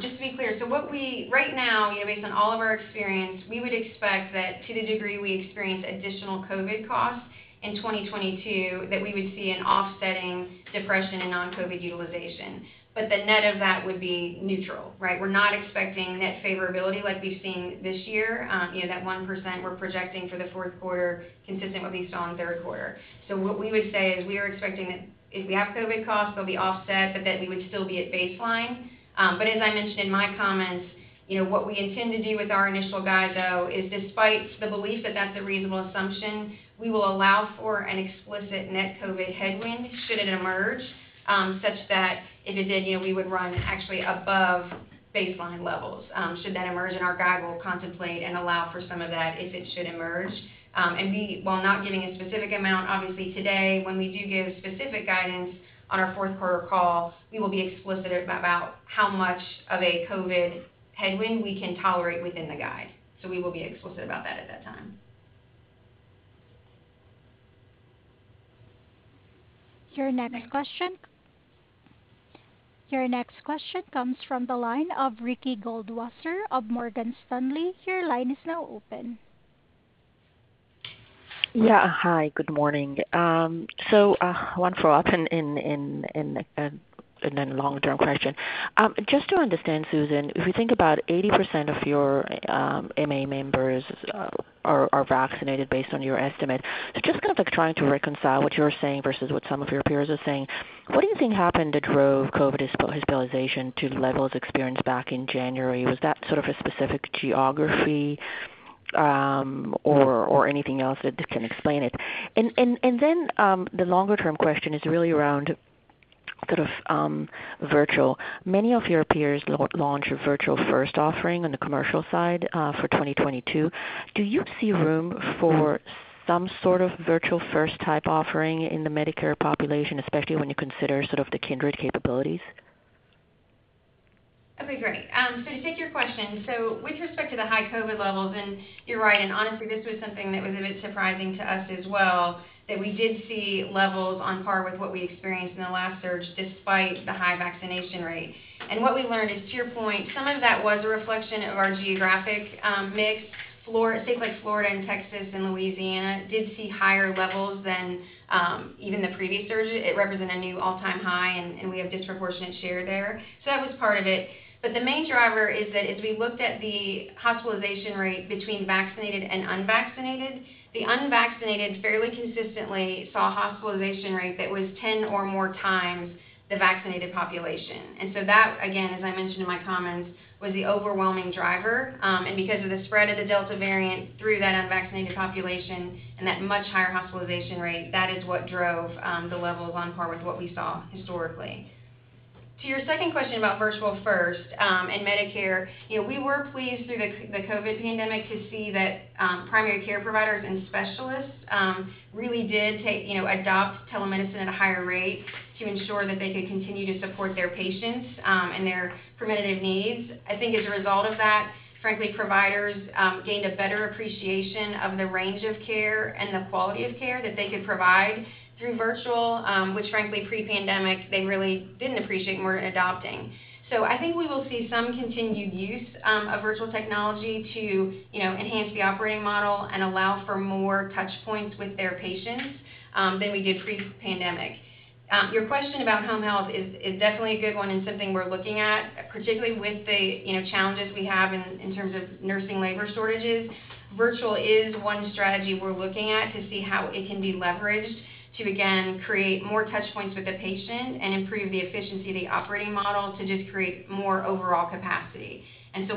Just to be clear, what we have right now, you know, based on all of our experience, we would expect that to the degree we experience additional COVID costs in 2022, that we would see an offsetting depression in non-COVID utilization. The net of that would be neutral, right? We're not expecting net favorability like we've seen this year, you know, that 1% we're projecting for the fourth quarter consistent with what we saw in the third quarter. What we would say is we are expecting that if we have COVID costs, they'll be offset, but that we would still be at baseline. As I mentioned in my comments, you know, what we intend to do with our initial guide, though, is despite the belief that that's a reasonable assumption, we will allow for an explicit net COVID headwind should it emerge, such that if it did, you know, we would run actually above baseline levels. Should that emerge in our guide, we'll contemplate and allow for some of that if it should emerge. We, while not giving a specific amount, obviously today, when we do give specific guidance on our fourth quarter call, we will be explicit about how much of a COVID headwind we can tolerate within the guide. We will be explicit about that at that time. Your next question comes from the line of Ricky Goldwasser of Morgan Stanley. Your line is now open. Yeah. Hi, good morning. One follow-up and then long-term question. Just to understand, Susan, if we think about 80% of your MA members are vaccinated based on your estimate. Just kind of like trying to reconcile what you're saying versus what some of your peers are saying. What do you think happened that drove COVID hospitalization to levels experienced back in January? Was that sort of a specific geography or anything else that can explain it? The longer term question is really around sort of virtual. Many of your peers launch a virtual first offering on the commercial side for 2022. Do you see room for some sort of virtual first type offering in the Medicare population, especially when you consider sort of the Kindred capabilities? Okay, great. To take your question, so with respect to the high COVID levels, you're right, and honestly, this was something that was a bit surprising to us as well, that we did see levels on par with what we experienced in the last surge despite the high vaccination rate. What we learned is, to your point, some of that was a reflection of our geographic mix. States like Florida and Texas and Louisiana did see higher levels than even the previous surge. It represented a new all-time high, and we have disproportionate share there. That was part of it. The main driver is that as we looked at the hospitalization rate between vaccinated and unvaccinated, the unvaccinated fairly consistently saw a hospitalization rate that was 10 or more times the vaccinated population. That, again, as I mentioned in my comments, was the overwhelming driver. Because of the spread of the Delta variant through that unvaccinated population and that much higher hospitalization rate, that is what drove the levels on par with what we saw historically. To your second question about virtual first and Medicare, you know, we were pleased through the COVID-19 pandemic to see that primary care providers and specialists really did take, you know, adopt telemedicine at a higher rate to ensure that they could continue to support their patients and their preventative needs. I think as a result of that, frankly, providers gained a better appreciation of the range of care and the quality of care that they could provide through virtual, which frankly, pre-pandemic, they really didn't appreciate and weren't adopting. I think we will see some continued use of virtual technology to, you know, enhance the operating model and allow for more touch points with their patients than we did pre-pandemic. Your question about home health is definitely a good one and something we're looking at, particularly with the, you know, challenges we have in terms of nursing labor shortages. Virtual is one strategy we're looking at to see how it can be leveraged to, again, create more touch points with the patient and improve the efficiency of the operating model to just create more overall capacity.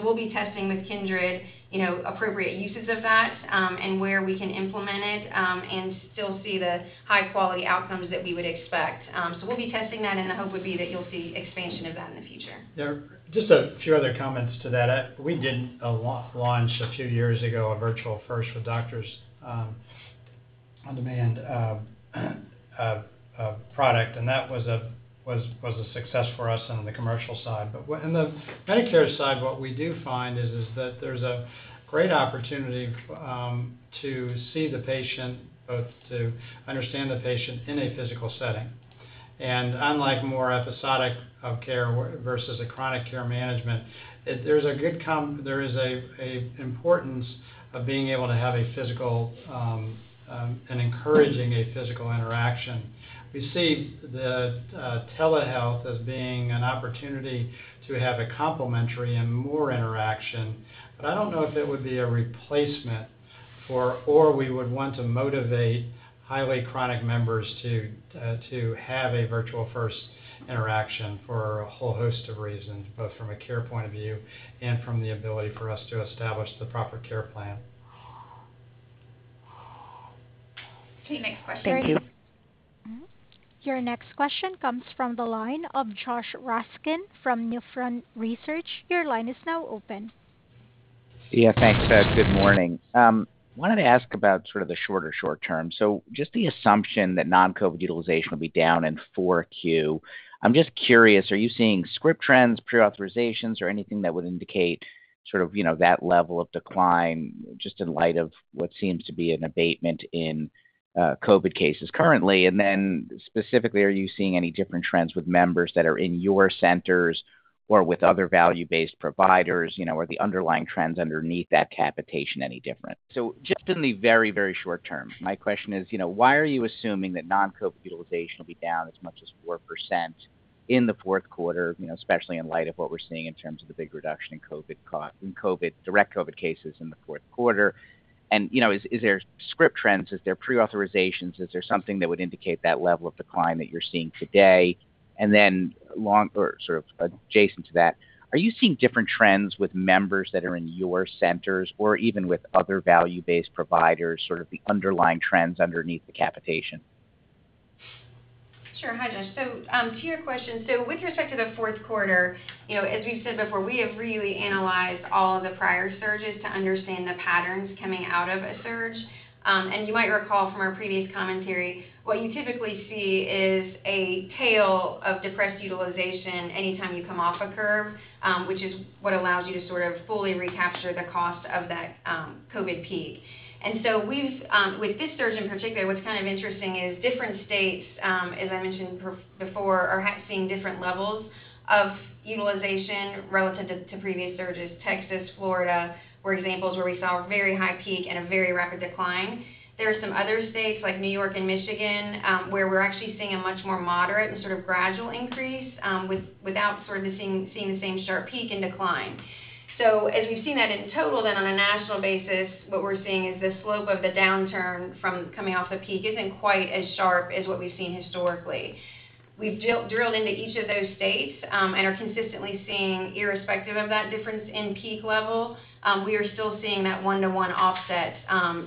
We'll be testing with Kindred, you know, appropriate uses of that, and where we can implement it and still see the high-quality outcomes that we would expect. We'll be testing that, and the hope would be that you'll see expansion of that in the future. There are just a few other comments to that. We did a launch a few years ago, a virtual first with Doctor On Demand product, and that was a success for us on the commercial side. But in the Medicare side, what we find is that there's a great opportunity to see the patient, both to understand the patient in a physical setting. Unlike more episodic care versus a chronic care management, there is an importance of being able to have a physical and encouraging a physical interaction. We see the telehealth as being an opportunity to have a complementary and more interaction. I don't know if it would be a replacement or we would want to motivate highly chronic members to have a virtual first interaction for a whole host of reasons, both from a care point of view and from the ability for us to establish the proper care plan. Okay, next question. Thank you. Your next question comes from the line of Josh Raskin from Nephron Research. Your line is now open. Yeah, thanks. Good morning. Wanted to ask about sort of the shorter short term. Just the assumption that non-COVID utilization will be down in Q4. I'm just curious, are you seeing script trends, pre-authorizations, or anything that would indicate sort of, you know, that level of decline just in light of what seems to be an abatement in COVID cases currently? Then specifically, are you seeing any different trends with members that are in your centers or with other value-based providers, you know, are the underlying trends underneath that capitation any different? Just in the very, very short term, my question is, you know, why are you assuming that non-COVID utilization will be down as much as 4% in the fourth quarter, you know, especially in light of what we're seeing in terms of the big reduction in COVID, direct COVID cases in the fourth quarter. You know, is there script trends? Is there pre-authorizations? Is there something that would indicate that level of decline that you're seeing today? Or sort of adjacent to that, are you seeing different trends with members that are in your centers or even with other value-based providers, sort of the underlying trends underneath the capitation? Sure. Hi, Josh. To your question. With respect to the fourth quarter, you know, as we've said before, we have really analyzed all of the prior surges to understand the patterns coming out of a surge. You might recall from our previous commentary, what you typically see is a tail of depressed utilization anytime you come off a curve, which is what allows you to sort of fully recapture the cost of that COVID peak. We've with this surge in particular, what's kind of interesting is different states, as I mentioned before, are seeing different levels of utilization relative to previous surges. Texas, Florida were examples where we saw a very high peak and a very rapid decline. There are some other states, like New York and Michigan, where we're actually seeing a much more moderate and sort of gradual increase, without sort of the same, seeing the same sharp peak and decline. As we've seen that in total, then on a national basis, what we're seeing is the slope of the downturn from coming off the peak isn't quite as sharp as what we've seen historically. We've drilled into each of those states, and are consistently seeing irrespective of that difference in peak level, we are still seeing that one-to-one offset,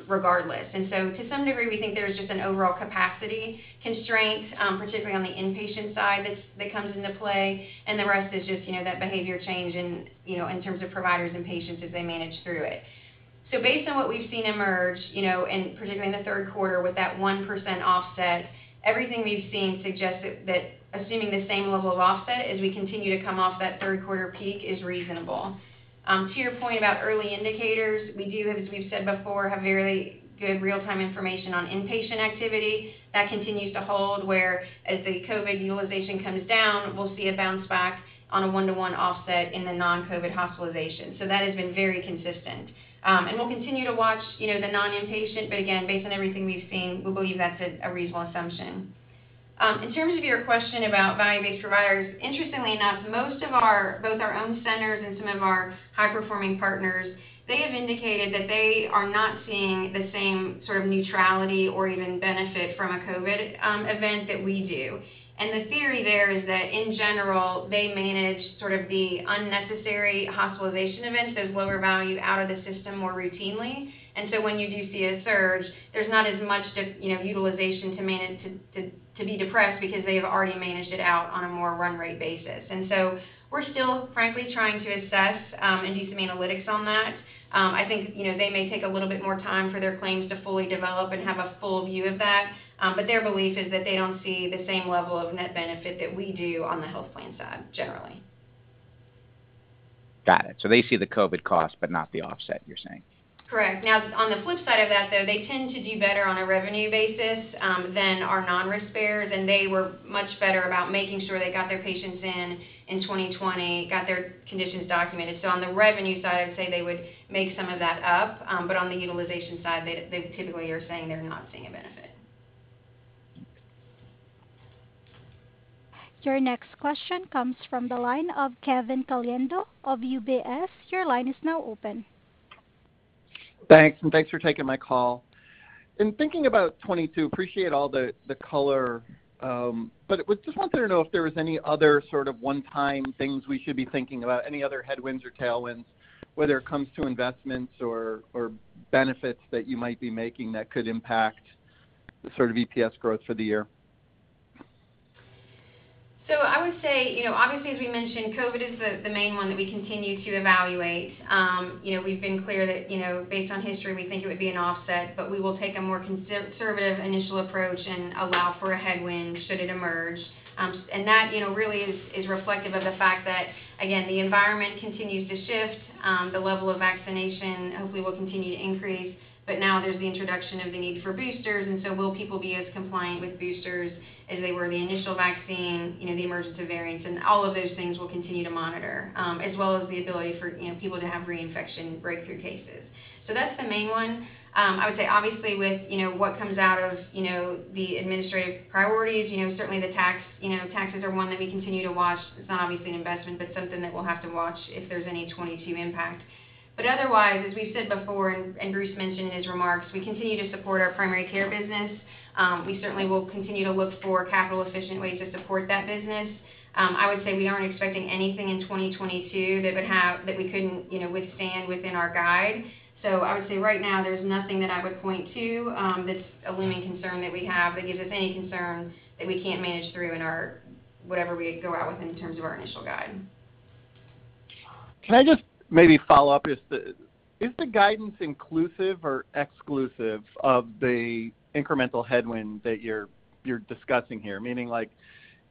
regardless. To some degree, we think there's just an overall capacity constraint, particularly on the inpatient side that's comes into play, and the rest is just, you know, that behavior change in, you know, in terms of providers and patients as they manage through it. Based on what we've seen emerge, you know, and particularly in the third quarter with that 1% offset, everything we've seen suggests that assuming the same level of offset as we continue to come off that third quarter peak is reasonable. To your point about early indicators, we do, as we've said before, have very good real-time information on inpatient activity. That continues to hold, whereas the COVID utilization comes down, we'll see a bounce back on a one-to-one offset in the non-COVID hospitalizations. That has been very consistent. We'll continue to watch, you know, the non-inpatient, but again, based on everything we've seen, we believe that's a reasonable assumption. In terms of your question about value-based providers, interestingly enough, most of our, both our own centers and some of our high-performing partners, they have indicated that they are not seeing the same sort of neutrality or even benefit from a COVID event that we do. The theory there is that, in general, they manage sort of the unnecessary hospitalization events, those lower value, out of the system more routinely. When you do see a surge, there's not as much, you know, utilization to manage to be depressed because they have already managed it out on a more run rate basis. We're still, frankly, trying to assess and do some analytics on that. I think, you know, they may take a little bit more time for their claims to fully develop and have a full view of that. Their belief is that they don't see the same level of net benefit that we do on the health plan side generally. Got it. They see the COVID cost, but not the offset, you're saying? Correct. Now, on the flip side of that, though, they tend to do better on a revenue basis than our non-risk bearers, and they were much better about making sure they got their patients in in 2020, got their conditions documented. So on the revenue side, I'd say they would make some of that up. But on the utilization side, they typically are saying they're not seeing a benefit. Your next question comes from the line of Kevin Caliendo of UBS. Your line is now open. Thanks, and thanks for taking my call. In thinking about 2022, appreciate all the color, but it was just wanting to know if there was any other sort of one-time things we should be thinking about, any other headwinds or tailwinds, whether it comes to investments or benefits that you might be making that could impact the sort of EPS growth for the year. I would say, you know, obviously, as we mentioned, COVID is the main one that we continue to evaluate. You know, we've been clear that, you know, based on history, we think it would be an offset, but we will take a more conservative initial approach and allow for a headwind should it emerge. That, you know, really is reflective of the fact that, again, the environment continues to shift. The level of vaccination hopefully will continue to increase. Now there's the introduction of the need for boosters, and so will people be as compliant with boosters as they were the initial vaccine? You know, the emergence of variants and all of those things we'll continue to monitor, as well as the ability for, you know, people to have reinfection breakthrough cases. That's the main one. I would say obviously with, you know, what comes out of, you know, the administration's priorities, you know, certainly the tax, you know, taxes are one that we continue to watch. It's not obviously an investment, but something that we'll have to watch if there's any 2022 impact. Otherwise, as we've said before, and Bruce mentioned in his remarks, we continue to support our primary care business. We certainly will continue to look for capital-efficient ways to support that business. I would say we aren't expecting anything in 2022 that we couldn't, you know, withstand within our guide. I would say right now there's nothing that I would point to, that's a looming concern that we have that gives us any concern that we can't manage through in our, whatever we go out with in terms of our initial guide. Can I just maybe follow up? Is the guidance inclusive or exclusive of the incremental headwind that you're discussing here? Meaning, like,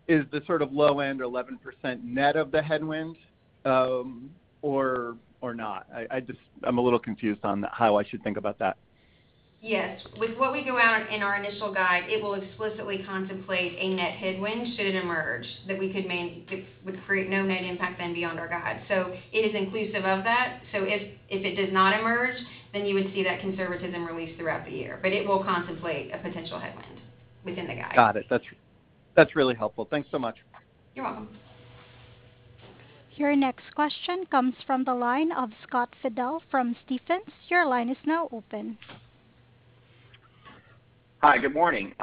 is the sort of low end or 11% net of the headwind, or not? I'm a little confused on how I should think about that. Yes. With what we go out in our initial guide, it will explicitly contemplate a net headwind should it emerge. It would create no net impact then beyond our guide. It is inclusive of that. If it does not emerge, then you would see that conservatism released throughout the year. It will contemplate a potential headwind within the guide. Got it. That's really helpful. Thanks so much. You're welcome. Your next question comes from the line of Scott Fidel from Stephens. Your line is now open. Hi. Good morning.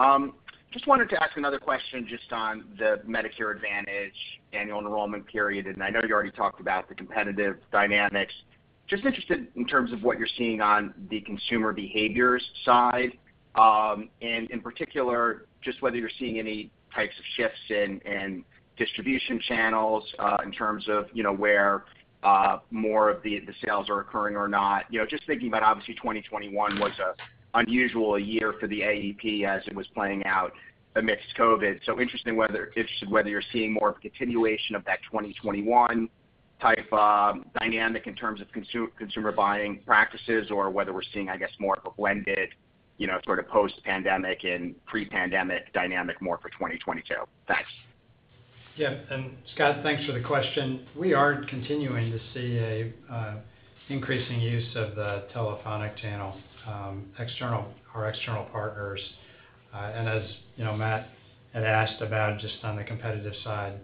Just wanted to ask another question just on the Medicare Advantage annual enrollment period, and I know you already talked about the competitive dynamics. Just interested in terms of what you're seeing on the consumer behaviors side, and in particular, just whether you're seeing any types of shifts in distribution channels, in terms of, you know, where more of the sales are occurring or not. You know, just thinking about obviously 2021 was an unusual year for the AEP as it was playing out amidst COVID. Interested in whether you're seeing more of a continuation of that 2021 type dynamic in terms of consumer buying practices or whether we're seeing, I guess, more of a blended, you know, sort of post-pandemic and pre-pandemic dynamic more for 2022. Thanks. Yeah. Scott, thanks for the question. We are continuing to see increasing use of the telephonic channel, our external partners. As you know, Matt had asked about just on the competitive side,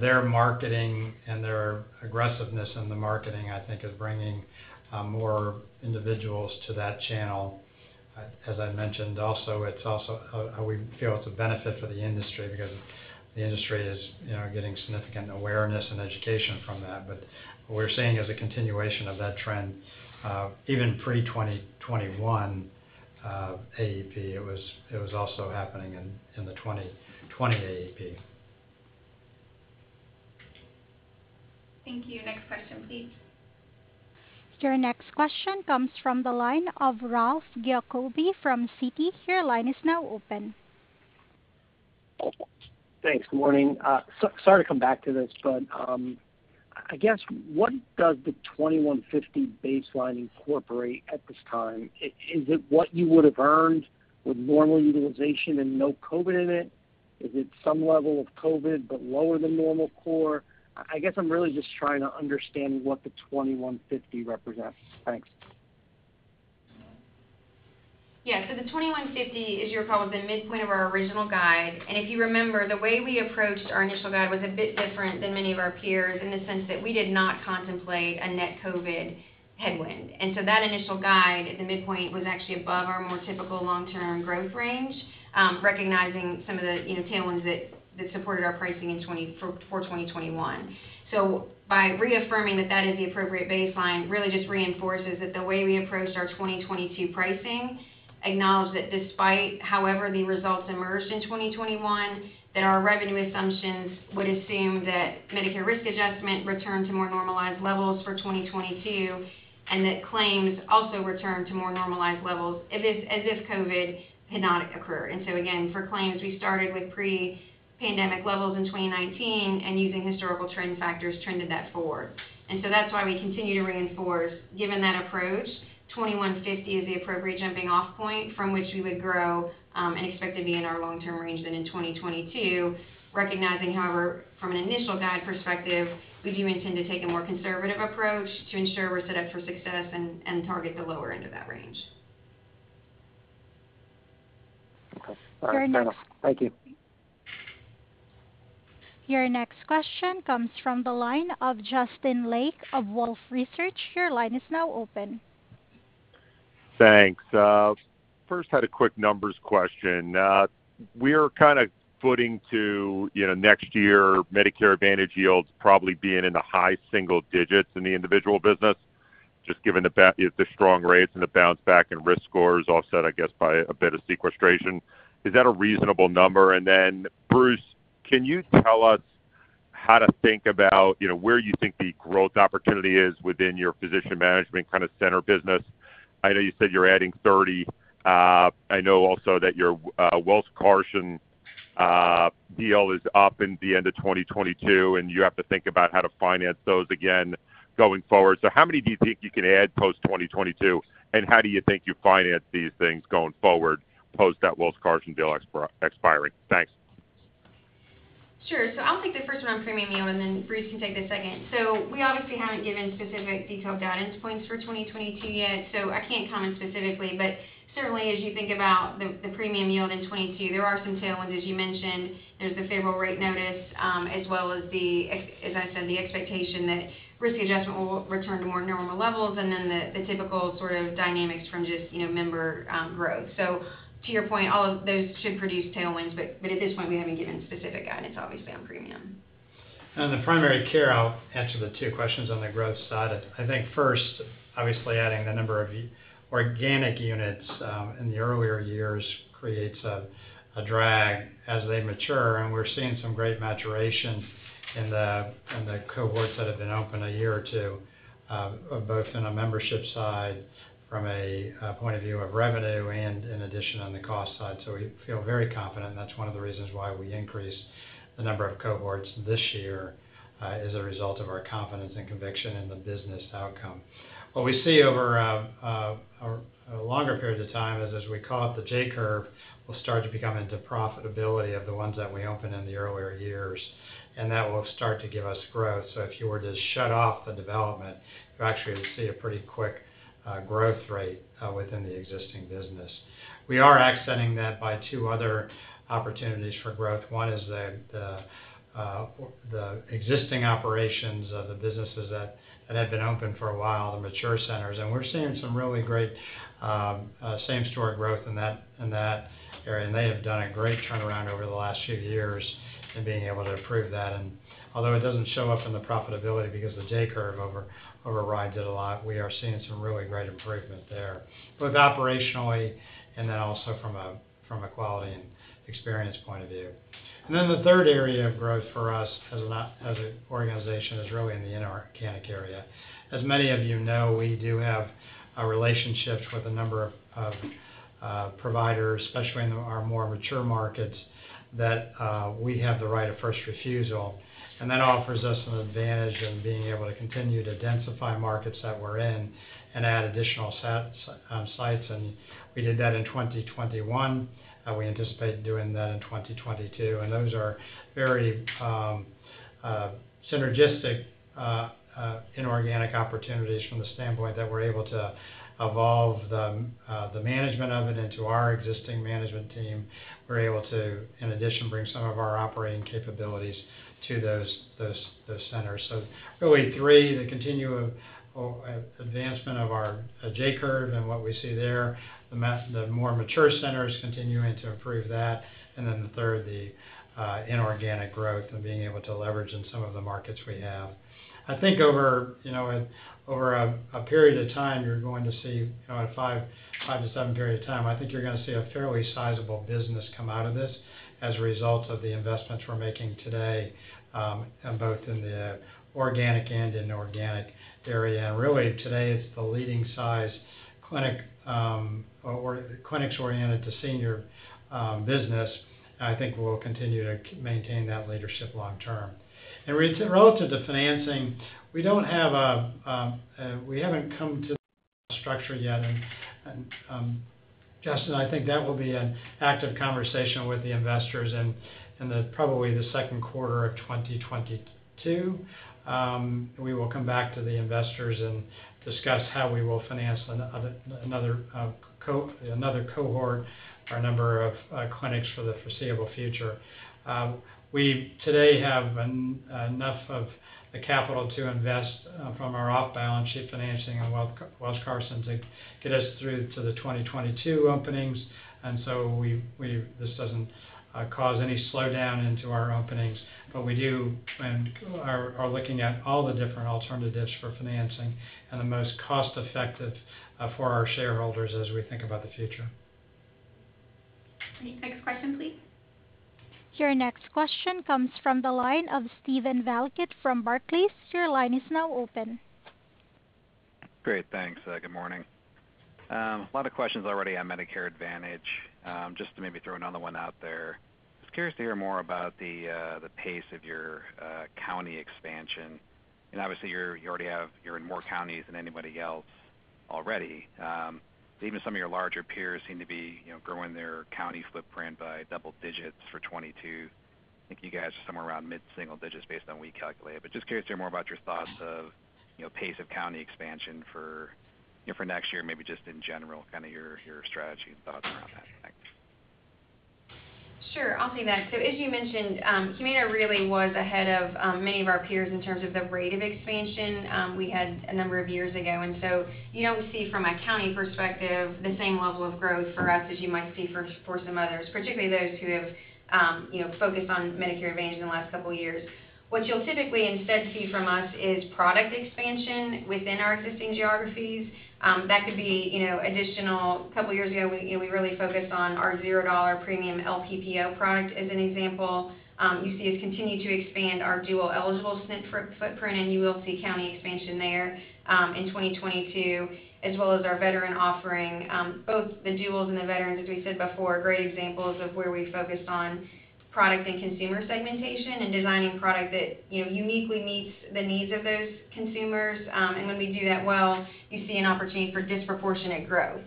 their marketing and their aggressiveness in the marketing, I think is bringing more individuals to that channel. As I mentioned also, it's also how we feel it's a benefit for the industry because the industry is, you know, getting significant awareness and education from that. What we're seeing is a continuation of that trend even pre-2021 AEP. It was also happening in the 2020 AEP. Thank you. Next question, please. Your next question comes from the line of Ralph Giacobbe from Citi. Your line is now open. Thanks. Good morning. Sorry to come back to this, but I guess what does the $21.50 baseline incorporate at this time? Is it what you would have earned with normal utilization and no COVID in it? Is it some level of COVID but lower than normal core? I guess I'm really just trying to understand what the $21.50 represents. Thanks. Yeah. The $21.50 is probably the midpoint of our original guide. If you remember, the way we approached our initial guide was a bit different than many of our peers in the sense that we did not contemplate a net COVID headwind. That initial guide at the midpoint was actually above our more typical long-term growth range, recognizing some of the, you know, tailwinds that supported our pricing in 2021. By reaffirming that that is the appropriate baseline, really just reinforces that the way we approached our 2022 pricing acknowledged that despite however the results emerged in 2021, that our revenue assumptions would assume that Medicare risk adjustment returned to more normalized levels for 2022, and that claims also returned to more normalized levels as if COVID had not occurred. Again, for claims, we started with pre-pandemic levels in 2019 and using historical trend factors trended that forward. That's why we continue to reinforce, given that approach, 21.50 is the appropriate jumping off point from which we would grow and expect to be in our long-term range. In 2022, recognizing, however, from an initial guide perspective, we do intend to take a more conservative approach to ensure we're set up for success and target the lower end of that range. Okay. All right. Fair enough. Your next- Thank you. Your next question comes from the line of Justin Lake of Wolfe Research. Your line is now open. Thanks. First, I had a quick numbers question. We're kind of looking to next year Medicare Advantage yields probably being in the high single digits in the individual business, just given the strong rates and the bounce back and risk scores offset, I guess, by a bit of sequestration. Is that a reasonable number? Bruce, can you tell us how to think about, you know, where you think the growth opportunity is within your physician management kind of center business? I know you said you're adding 30. I know also that your Welsh Carson deal is up in the end of 2022, and you have to think about how to finance those again going forward. How many do you think you can add post 2022, and how do you think you finance these things going forward post that Welsh Carson deal expiring? Thanks. Sure. I'll take the first one on premium yield, and then Bruce can take the second. We obviously haven't given specific detailed guidance points for 2022 yet, so I can't comment specifically. Certainly as you think about the premium yield in 2022, there are some tailwinds, as you mentioned. There's the favorable rate notice, as well as the, as I said, expectation that risk adjustment will return to more normal levels and then the typical sort of dynamics from just, you know, member growth. To your point, all of those should produce tailwinds, but at this point, we haven't given specific guidance obviously on premium. On the primary care, I'll answer the two questions on the growth side. I think first, obviously adding the number of organic units in the earlier years creates a drag as they mature, and we're seeing some great maturation in the cohorts that have been open a year or two, both in a membership side from a point of view of revenue and in addition on the cost side. We feel very confident, and that's one of the reasons why we increased the number of cohorts this year, as a result of our confidence and conviction in the business outcome. What we see over a longer period of time is, as we call it, the J curve will start to become into profitability of the ones that we opened in the earlier years, and that will start to give us growth. If you were to shut off the development, you actually would see a pretty quick growth rate within the existing business. We are accenting that by two other opportunities for growth. One is the existing operations of the businesses that have been open for a while, the mature centers, and we're seeing some really great same store growth in that area. They have done a great turnaround over the last few years in being able to improve that and although it doesn't show up in the profitability because the J curve override did a lot, we are seeing some really great improvement there, both operationally and then also from a quality and experience point of view. The third area of growth for us as an organization is really in the inorganic area. As many of you know, we do have a relationship with a number of providers, especially in our more mature markets, that we have the right of first refusal. That offers us an advantage of being able to continue to densify markets that we're in and add additional sites, and we did that in 2021, and we anticipate doing that in 2022. Those are very synergistic inorganic opportunities from the standpoint that we're able to evolve the management of it into our existing management team. We're able to, in addition, bring some of our operating capabilities to those centers. Really three, the continued advancement of our J curve and what we see there, the more mature centers continuing to improve that, and then the third, the inorganic growth and being able to leverage in some of the markets we have. I think over a period of time, you know, you're going to see, you know, at a five-seven period of time, I think you're gonna see a fairly sizable business come out of this as a result of the investments we're making today, both in the organic and inorganic area. Really, today it's the leading size clinic or clinics oriented to senior business. I think we'll continue to maintain that leadership long term. Relative to financing, we don't have. We haven't come to the structure yet. Justin, I think that will be an active conversation with the investors in probably the second quarter of 2022. We will come back to the investors and discuss how we will finance another cohort or a number of clinics for the foreseeable future. We today have enough of the capital to invest from our off-balance sheet financing and Welsh Carson to get us through to the 2022 openings. This doesn't cause any slowdown into our openings. We do and are looking at all the different alternatives for financing and the most cost-effective for our shareholders as we think about the future. Next question, please. Your next question comes from the line of Steven Valiquette from Barclays. Your line is now open. Great. Thanks. Good morning. A lot of questions already on Medicare Advantage. Just to maybe throw another one out there. Just curious to hear more about the pace of your county expansion. Obviously, you're in more counties than anybody else already. Even some of your larger peers seem to be, you know, growing their county footprint by double digits for 2022. I think you guys are somewhere around mid-single digits based on we calculate. Just curious to hear more about your thoughts of, you know, pace of county expansion for, you know, for next year, maybe just in general, kind of your strategy and thoughts around that. Thanks. Sure. I'll take that. As you mentioned, Humana really was ahead of many of our peers in terms of the rate of expansion we had a number of years ago. You don't see from a county perspective the same level of growth for us as you might see for some others, particularly those who have, you know, focused on Medicare Advantage in the last couple of years. What you'll typically instead see from us is product expansion within our existing geographies. That could be, you know, a couple of years ago, we really focused on our $0 premium LPPO product as an example. You see us continue to expand our dual eligible SNP footprint, and you will see county expansion there in 2022, as well as our veteran offering. Both the duals and the veterans, as we said before, are great examples of where we focus on product and consumer segmentation and designing product that, you know, uniquely meets the needs of those consumers. When we do that well, you see an opportunity for disproportionate growth.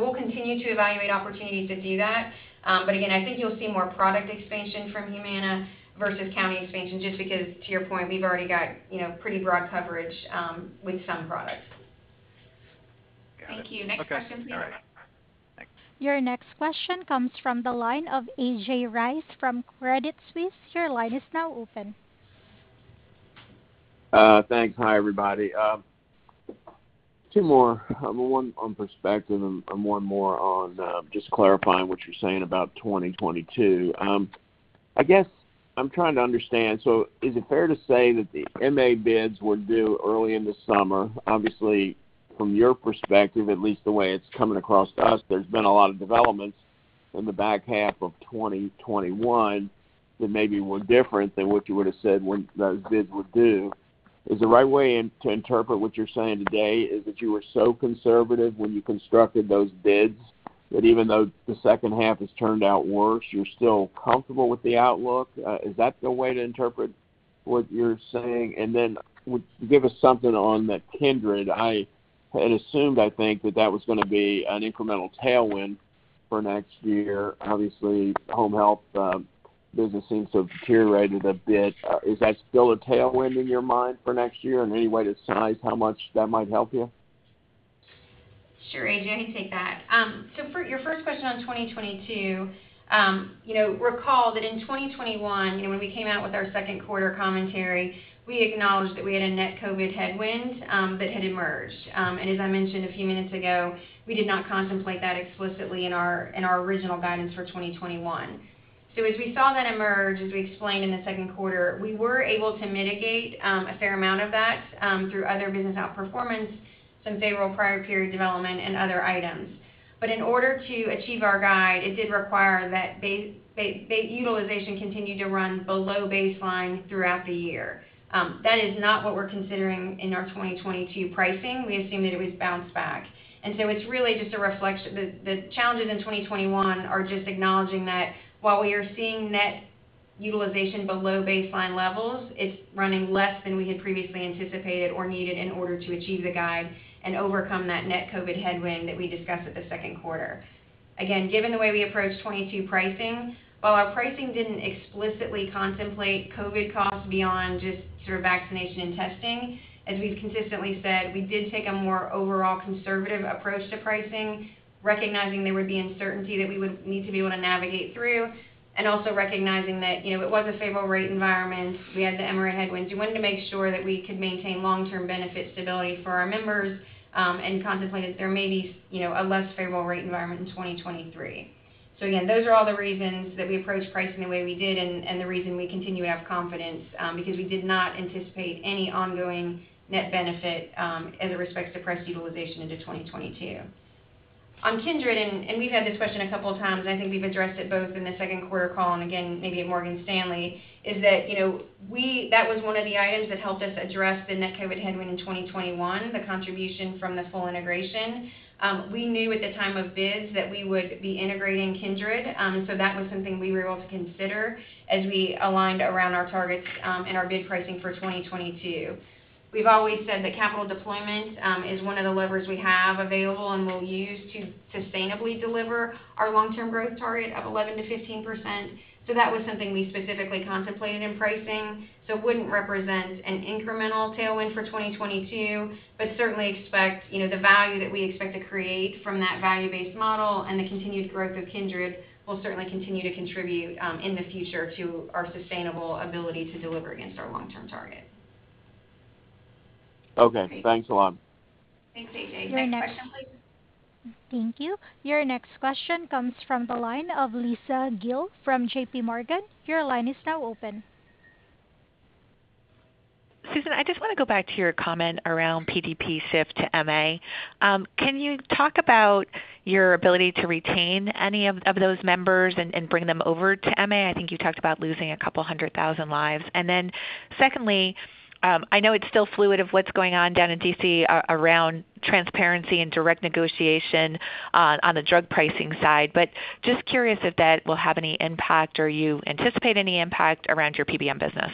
We'll continue to evaluate opportunities to do that. Again, I think you'll see more product expansion from Humana versus county expansion just because to your point, we've already got, you know, pretty broad coverage, with some products. Got it. Thank you. Next question, please. Okay. All right. Thanks. Your next question comes from the line of A.J. Rice from Credit Suisse. Your line is now open. Thanks. Hi, everybody. Two more. One on perspective and one more on just clarifying what you're saying about 2022. I guess I'm trying to understand. Is it fair to say that the MA bids were due early in the summer? Obviously, from your perspective, at least the way it's coming across to us, there's been a lot of developments in the back half of 2021 that maybe were different than what you would have said when those bids were due. Is the right way to interpret what you're saying today that you were so conservative when you constructed those bids that even though the second half has turned out worse, you're still comfortable with the outlook? Is that the way to interpret what you're saying? Would you give us something on that Kindred? I had assumed, I think, that that was gonna be an incremental tailwind for next year. Obviously, home health business seems to have deteriorated a bit. Is that still a tailwind in your mind for next year? Any way to size how much that might help you? Sure, A.J., I can take that. For your first question on 2022, you know, recall that in 2021, you know, when we came out with our second quarter commentary, we acknowledged that we had a net COVID headwind that had emerged. As I mentioned a few minutes ago, we did not contemplate that explicitly in our original guidance for 2021. As we saw that emerge, as we explained in the second quarter, we were able to mitigate a fair amount of that through other business outperformance, some favorable prior period development and other items. In order to achieve our guide, it did require that utilization continued to run below baseline throughout the year. That is not what we're considering in our 2022 pricing. We assume that it would bounce back. It's really just reflecting the challenges in 2021 are just acknowledging that while we are seeing net utilization below baseline levels, it's running less than we had previously anticipated or needed in order to achieve the guide and overcome that net COVID headwind that we discussed at the second quarter. Given the way we approach 2022 pricing, while our pricing didn't explicitly contemplate COVID costs beyond just sort of vaccination and testing, as we've consistently said, we did take a more overall conservative approach to pricing, recognizing there would be uncertainty that we would need to be able to navigate through, and also recognizing that, you know, it was a favorable rate environment. We had the MRA headwinds. We wanted to make sure that we could maintain long-term benefit stability for our members, and contemplated there may be, you know, a less favorable rate environment in 2023. Again, those are all the reasons that we approached pricing the way we did and the reason we continue to have confidence, because we did not anticipate any ongoing net benefit, as it relates to price utilization into 2022. On Kindred, we've had this question a couple times, and I think we've addressed it both in the second quarter call and again maybe at Morgan Stanley, is that, you know, that was one of the items that helped us address the net COVID headwind in 2021, the contribution from the full integration. We knew at the time of bids that we would be integrating Kindred, and so that was something we were able to consider as we aligned around our targets, and our bid pricing for 2022. We've always said that capital deployment is one of the levers we have available and will use to sustainably deliver our long-term growth target of 11%-15%. That was something we specifically contemplated in pricing, so wouldn't represent an incremental tailwind for 2022, but certainly expect, you know, the value that we expect to create from that value-based model and the continued growth of Kindred will certainly continue to contribute in the future to our sustainable ability to deliver against our long-term target. Okay. Thanks a lot. Thanks, A.J. Next question, please. Thank you. Your next question comes from the line of Lisa Gill from JPMorgan. Your line is now open. Susan, I just wanna go back to your comment around PDP shift to MA. Can you talk about your ability to retain any of those members and bring them over to MA? I think you talked about losing 200,000 lives. Secondly, I know it's still fluid as to what's going on down in D.C. around transparency and direct negotiation on the drug pricing side, but just curious if that will have any impact or you anticipate any impact around your PBM business.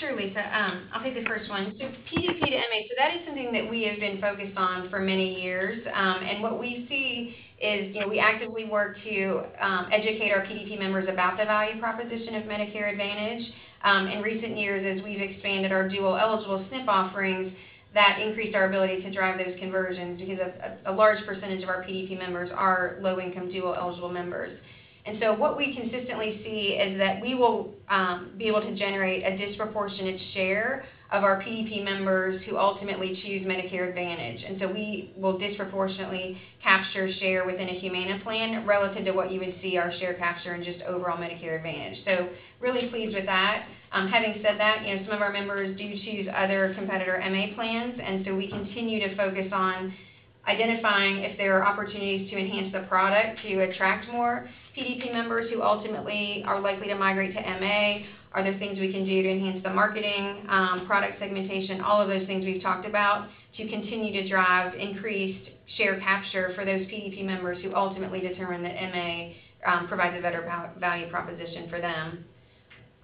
Sure, Lisa. I'll take the first one. PDP to MA. That is something that we have been focused on for many years. And what we see is, you know, we actively work to educate our PDP members about the value proposition of Medicare Advantage. In recent years, as we've expanded our dual-eligible SNP offerings, that increased our ability to drive those conversions because a large percentage of our PDP members are low-income dual-eligible members. What we consistently see is that we will be able to generate a disproportionate share of our PDP members who ultimately choose Medicare Advantage. We will disproportionately capture share within a Humana plan relative to what you would see our share capture in just overall Medicare Advantage. Really pleased with that. Having said that, you know, some of our members do choose other competitor MA plans, and so we continue to focus on identifying if there are opportunities to enhance the product to attract more PDP members who ultimately are likely to migrate to MA. Are there things we can do to enhance the marketing, product segmentation, all of those things we've talked about, to continue to drive increased share capture for those PDP members who ultimately determine that MA provides a better value proposition for them.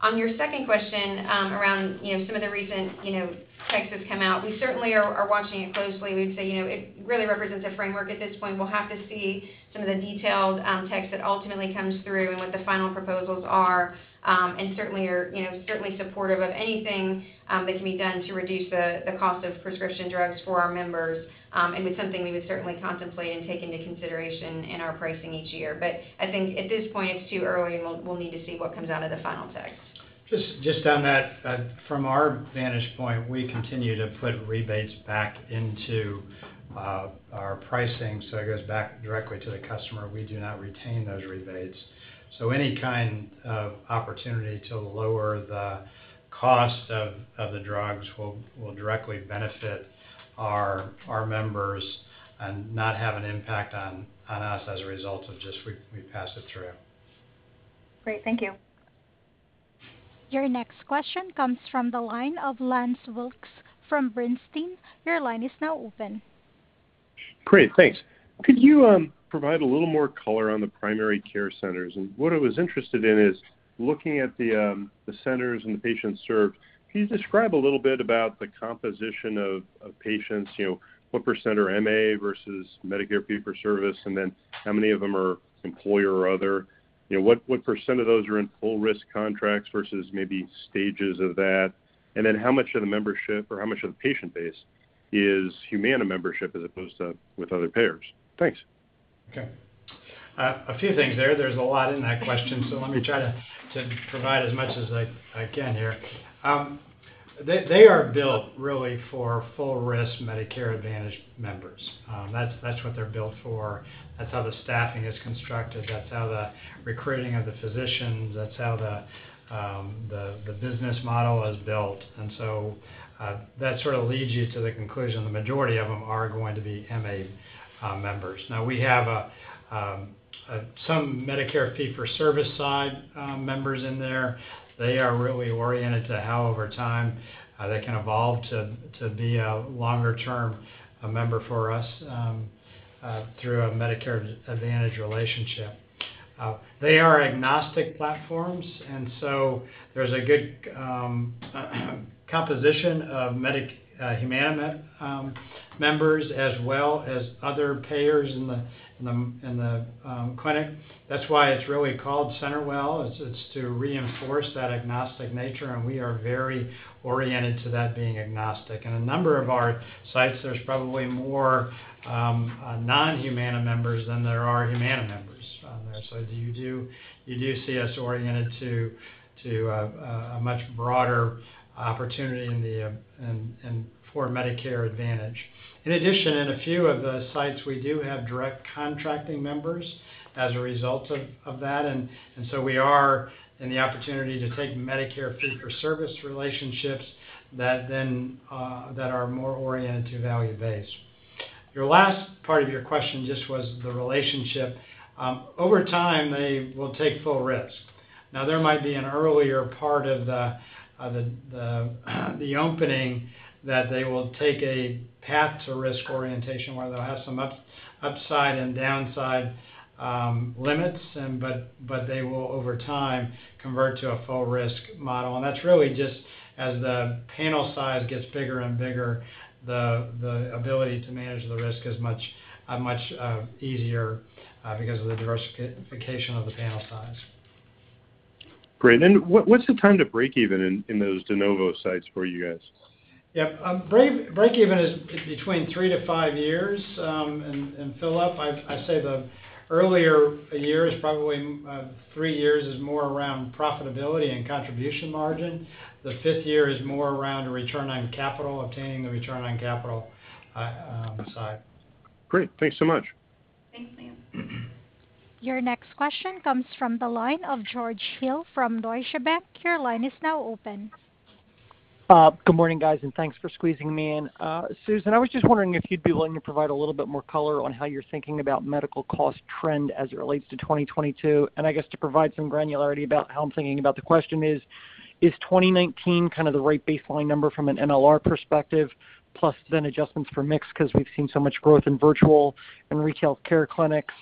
On your second question, around, you know, some of the recent, you know, texts that's come out, we certainly are watching it closely. We'd say, you know, it really represents a framework at this point. We'll have to see some of the detailed text that ultimately comes through and what the final proposals are, and certainly are, you know, certainly supportive of anything that can be done to reduce the cost of prescription drugs for our members, and it's something we would certainly contemplate and take into consideration in our pricing each year. But I think at this point it's too early and we'll need to see what comes out of the final text. Just on that, from our vantage point, we continue to put rebates back into our pricing, so it goes back directly to the customer. We do not retain those rebates. Any kind of opportunity to lower the cost of the drugs will directly benefit our members and not have an impact on us as a result of just we pass it through. Great. Thank you. Your next question comes from the line of Lance Wilkes from Bernstein. Your line is now open. Great. Thanks. Could you provide a little more color on the primary care centers? What I was interested in is looking at the centers and the patients served. Can you describe a little bit about the composition of patients, you know, what % are MA versus Medicare fee-for-service, and then how many of them are employer or other? You know, what % of those are in full risk contracts versus maybe stages of that? Then how much of the membership or how much of the patient base is Humana membership as opposed to with other payers? Thanks. Okay. A few things there. There's a lot in that question, so let me try to provide as much as I can here. They are built really for full risk Medicare Advantage members. That's what they're built for. That's how the staffing is constructed, that's how the recruiting of the physicians, that's how the business model is built. That sort of leads you to the conclusion the majority of them are going to be MA members. Now, we have some Medicare fee-for-service side members in there. They are really oriented to how, over time, they can evolve to be a longer-term member for us through a Medicare Advantage relationship. They are agnostic platforms, and there's a good composition of Humana members as well as other payers in the clinic. That's why it's really called CenterWell. It's to reinforce that agnostic nature, and we are very oriented to that being agnostic. In a number of our sites, there's probably more non-Humana members than there are Humana members on there. You do see us oriented to a much broader opportunity in Medicare Advantage. In addition, in a few of the sites, we do have direct contracting members as a result of that. We are in the opportunity to take Medicare fee-for-service relationships that are more oriented to value-based. Your last part of your question just was the relationship. Over time, they will take full risk. Now, there might be an earlier part of the opening that they will take a path to risk orientation, where they'll have some upside and downside limits but they will over time convert to a full risk model. That's really just as the panel size gets bigger and bigger, the ability to manage the risk is much easier because of the diversification of the panel size. Great. What's the time to break even in those de novo sites for you guys? Break even is between three-five years. Lance Wilkes, I say the earlier years, probably three years is more around profitability and contribution margin. The fifth year is more around return on capital, obtaining the return on capital side. Great. Thanks so much. Thanks, Lance. Your next question comes from the line of George Hill from Deutsche Bank. Your line is now open. Good morning, guys, and thanks for squeezing me in. Susan, I was just wondering if you'd be willing to provide a little bit more color on how you're thinking about medical cost trend as it relates to 2022. I guess to provide some granularity about how I'm thinking about the question is 2019 kind of the right baseline number from an MLR perspective, plus then adjustments for mix because we've seen so much growth in virtual and retail care clinics?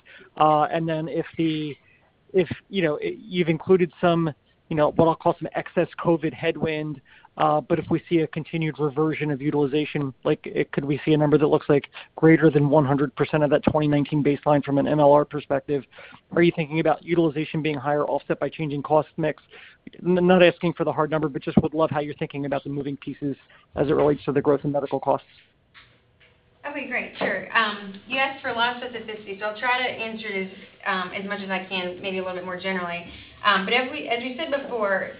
You know, you've included some, you know, what I'll call some excess COVID headwind, but if we see a continued reversion of utilization, like could we see a number that looks like greater than 100% of that 2019 baseline from an MLR perspective? Are you thinking about utilization being higher offset by changing cost mix? Not asking for the hard number, but just would love how you're thinking about the moving pieces as it relates to the growth in medical costs. That'd be great. Sure. You asked for a lot of specificity, so I'll try to answer this, as much as I can, maybe a little bit more generally. As we said before,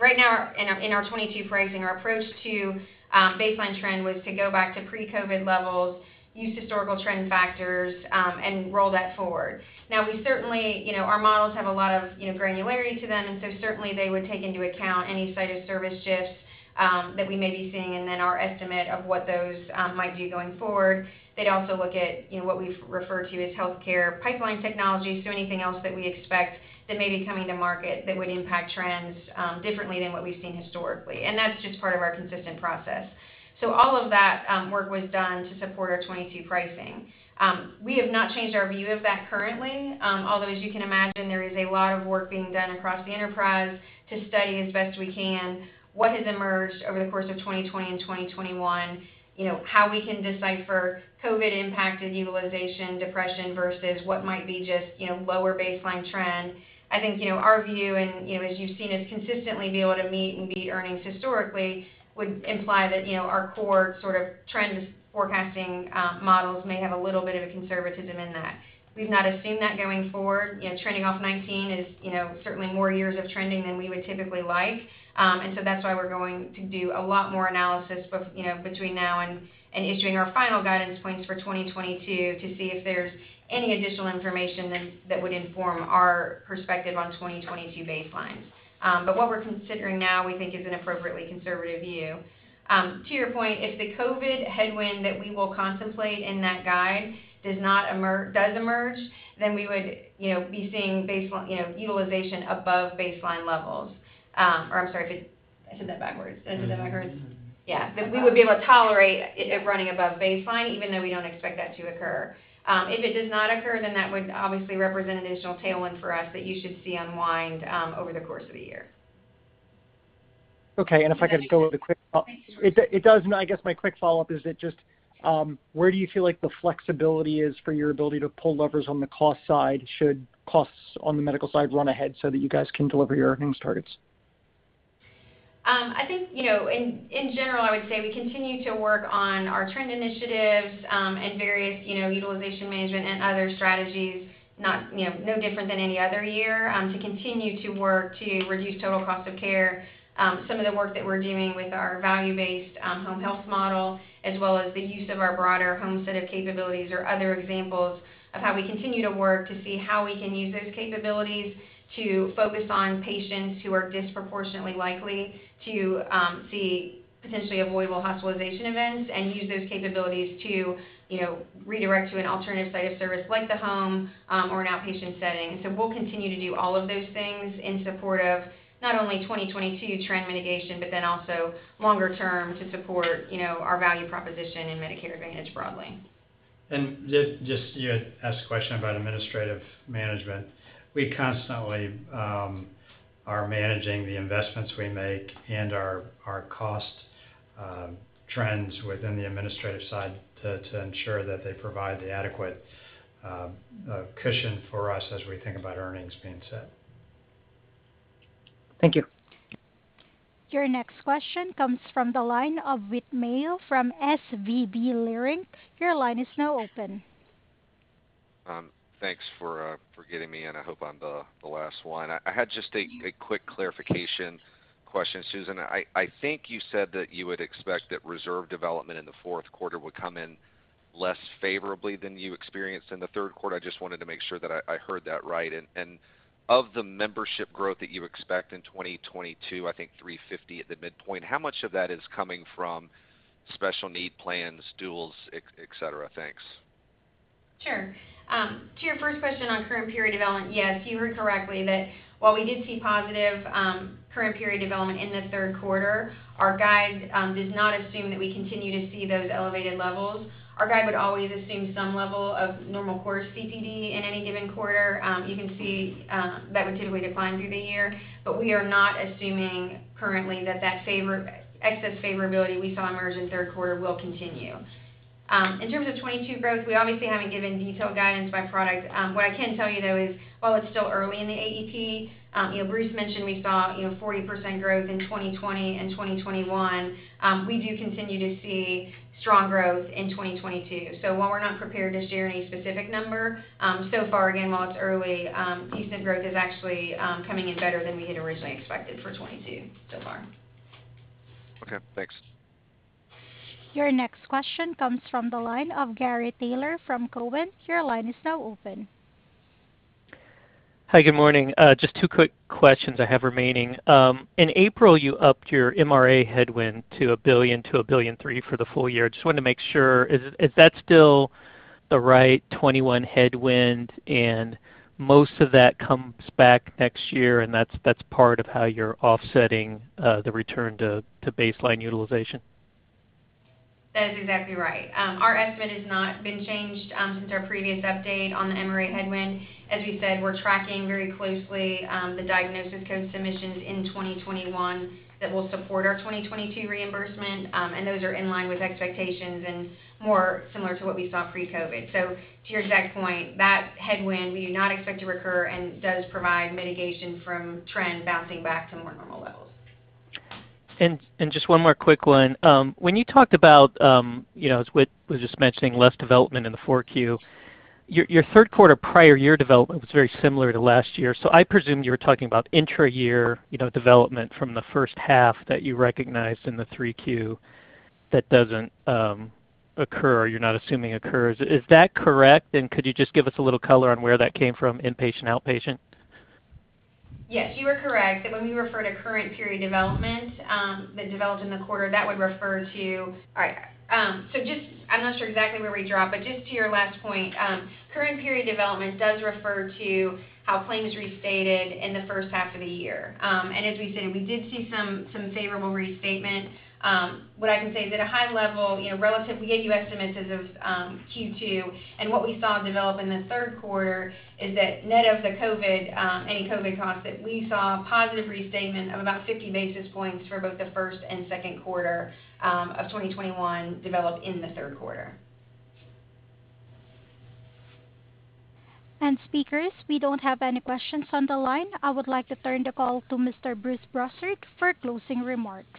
right now in our 2022 pricing, our approach to baseline trend was to go back to pre-COVID levels, use historical trend factors, and roll that forward. Now we certainly, you know, our models have a lot of, you know, granularity to them, and so certainly they would take into account any site of service shifts, that we may be seeing and then our estimate of what those might do going forward. They'd also look at, you know, what we refer to as healthcare pipeline technology, so anything else that we expect that may be coming to market that would impact trends differently than what we've seen historically. That's just part of our consistent process. All of that work was done to support our 2022 pricing. We have not changed our view of that currently, although, as you can imagine, there is a lot of work being done across the enterprise to study as best we can what has emerged over the course of 2020 and 2021, you know, how we can decipher COVID impacted utilization, depression, versus what might be just, you know, lower baseline trend. I think, you know, our view and, you know, as you've seen us consistently be able to meet and beat earnings historically would imply that, you know, our core sort of trend forecasting models may have a little bit of a conservatism in that. We've not assumed that going forward. You know, trending off 2019 is, you know, certainly more years of trending than we would typically like. That's why we're going to do a lot more analysis between now and issuing our final guidance points for 2022 to see if there's any additional information that would inform our perspective on 2022 baselines. What we're considering now, we think is an appropriately conservative view. To your point, if the COVID headwind that we will contemplate in that guide does emerge, then we would, you know, be seeing baseline, you know, utilization above baseline levels. I'm sorry, I said that backwards. Yeah. That we would be able to tolerate it running above baseline even though we don't expect that to occur. If it does not occur, then that would obviously represent additional tailwind for us that you should see unwind over the course of the year. Okay. If I could just go with a quick follow-up. Thank you. It does. I guess my quick follow-up is that just, where do you feel like the flexibility is for your ability to pull levers on the cost side should costs on the medical side run ahead so that you guys can deliver your earnings targets? You know, in general, I would say we continue to work on our trend initiatives and various, you know, utilization management and other strategies, you know, no different than any other year to continue to work to reduce total cost of care. Some of the work that we're doing with our value-based home health model, as well as the use of our broader home set of capabilities or other examples of how we continue to work to see how we can use those capabilities to focus on patients who are disproportionately likely to see potentially avoidable hospitalization events and use those capabilities to, you know, redirect to an alternative site of service like the home or an outpatient setting. We'll continue to do all of those things in support of not only 2022 trend mitigation, but then also longer term to support, you know, our value proposition in Medicare Advantage broadly. Just, you had asked a question about administrative management. We constantly are managing the investments we make and our cost trends within the administrative side to ensure that they provide the adequate cushion for us as we think about earnings being set. Thank you. Your next question comes from the line of Whit Mayo from SVB Leerink. Your line is now open. Thanks for getting me in. I hope I'm the last one. I had just a quick clarification question. Susan, I think you said that you would expect that reserve development in the fourth quarter would come in less favorably than you experienced in the third quarter. I just wanted to make sure that I heard that right. Of the membership growth that you expect in 2022, I think 350 at the midpoint, how much of that is coming from special needs plans, duals, etc.? Thanks. Sure. To your first question on current period development, yes, you heard correctly that while we did see positive current period development in the third quarter, our guide does not assume that we continue to see those elevated levels. Our guide would always assume some level of normal course CPD in any given quarter. You can see that would typically decline through the year. We are not assuming currently that that excess favorability we saw emerge in third quarter will continue. In terms of 2022 growth, we obviously haven't given detailed guidance by product. What I can tell you, though, is while it's still early in the AEP, you know, Bruce mentioned we saw, you know, 40% growth in 2020 and 2021. We do continue to see strong growth in 2022. While we're not prepared to share any specific number, so far, again, while it's early, year-to-date growth is actually coming in better than we had originally expected for 2022 so far. Okay, thanks. Your next question comes from the line of Gary Taylor from Cowen. Your line is now open. Hi, good morning. Just two quick questions I have remaining. In April, you upped your MRA headwind to $1 billion-$1.3 billion for the full year. Just wanted to make sure, is that still the right 2021 headwind, and most of that comes back next year, and that's part of how you're offsetting the return to baseline utilization? That is exactly right. Our estimate has not been changed since our previous update on the MRA headwind. As we said, we're tracking very closely the diagnosis code submissions in 2021 that will support our 2022 reimbursement, and those are in line with expectations and more similar to what we saw pre-COVID. To your exact point, that headwind we do not expect to recur and does provide mitigation from trend bouncing back to more normal levels. Just one more quick one. When you talked about, you know, as Whit was just mentioning, less development in the Q4, your third quarter prior year development was very similar to last year. I presume you were talking about intra-year, you know, development from the first half that you recognized in the Q3 that doesn't occur or you're not assuming occurs. Is that correct? Could you just give us a little color on where that came from, inpatient, outpatient? Yes, you are correct that when we refer to current period development, the development in the quarter, that would refer to how claims restated in the first half of the year. I'm not sure exactly where we dropped, but just to your last point, current period development does refer to how claims restated in the first half of the year. As we said, we did see some favorable restatement. What I can say is at a high level, you know, relative, we gave you estimates as of Q2, and what we saw develop in the third quarter is that net of the COVID, any COVID costs, that we saw a positive restatement of about 50 basis points for both the first and second quarter of 2021 develop in the third quarter. Speakers, we don't have any questions on the line. I would like to turn the call to Mr. Bruce Broussard for closing remarks.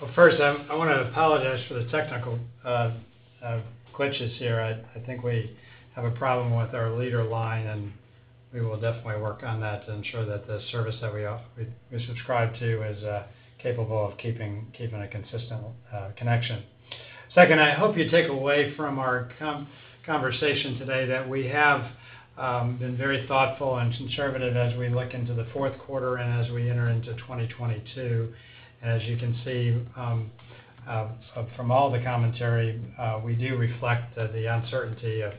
Well, first, I wanna apologize for the technical glitches here. I think we have a problem with our landline, and we will definitely work on that to ensure that the service that we subscribe to is capable of keeping a consistent connection. Second, I hope you take away from our conversation today that we have been very thoughtful and conservative as we look into the fourth quarter and as we enter into 2022. As you can see, from all the commentary, we do reflect the uncertainty of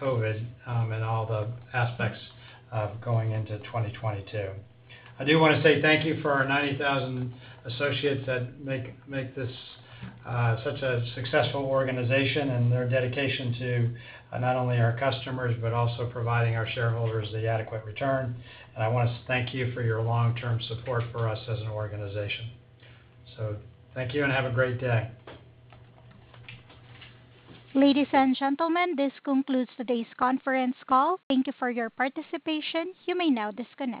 COVID and all the aspects of going into 2022. I do wanna say thank you for our 90,000 associates that make this such a successful organization and their dedication to not only our customers, but also providing our shareholders the adequate return. I want to thank you for your long-term support for us as an organization. Thank you and have a great day. Ladies and gentlemen, this concludes today's conference call. Thank you for your participation. You may now disconnect.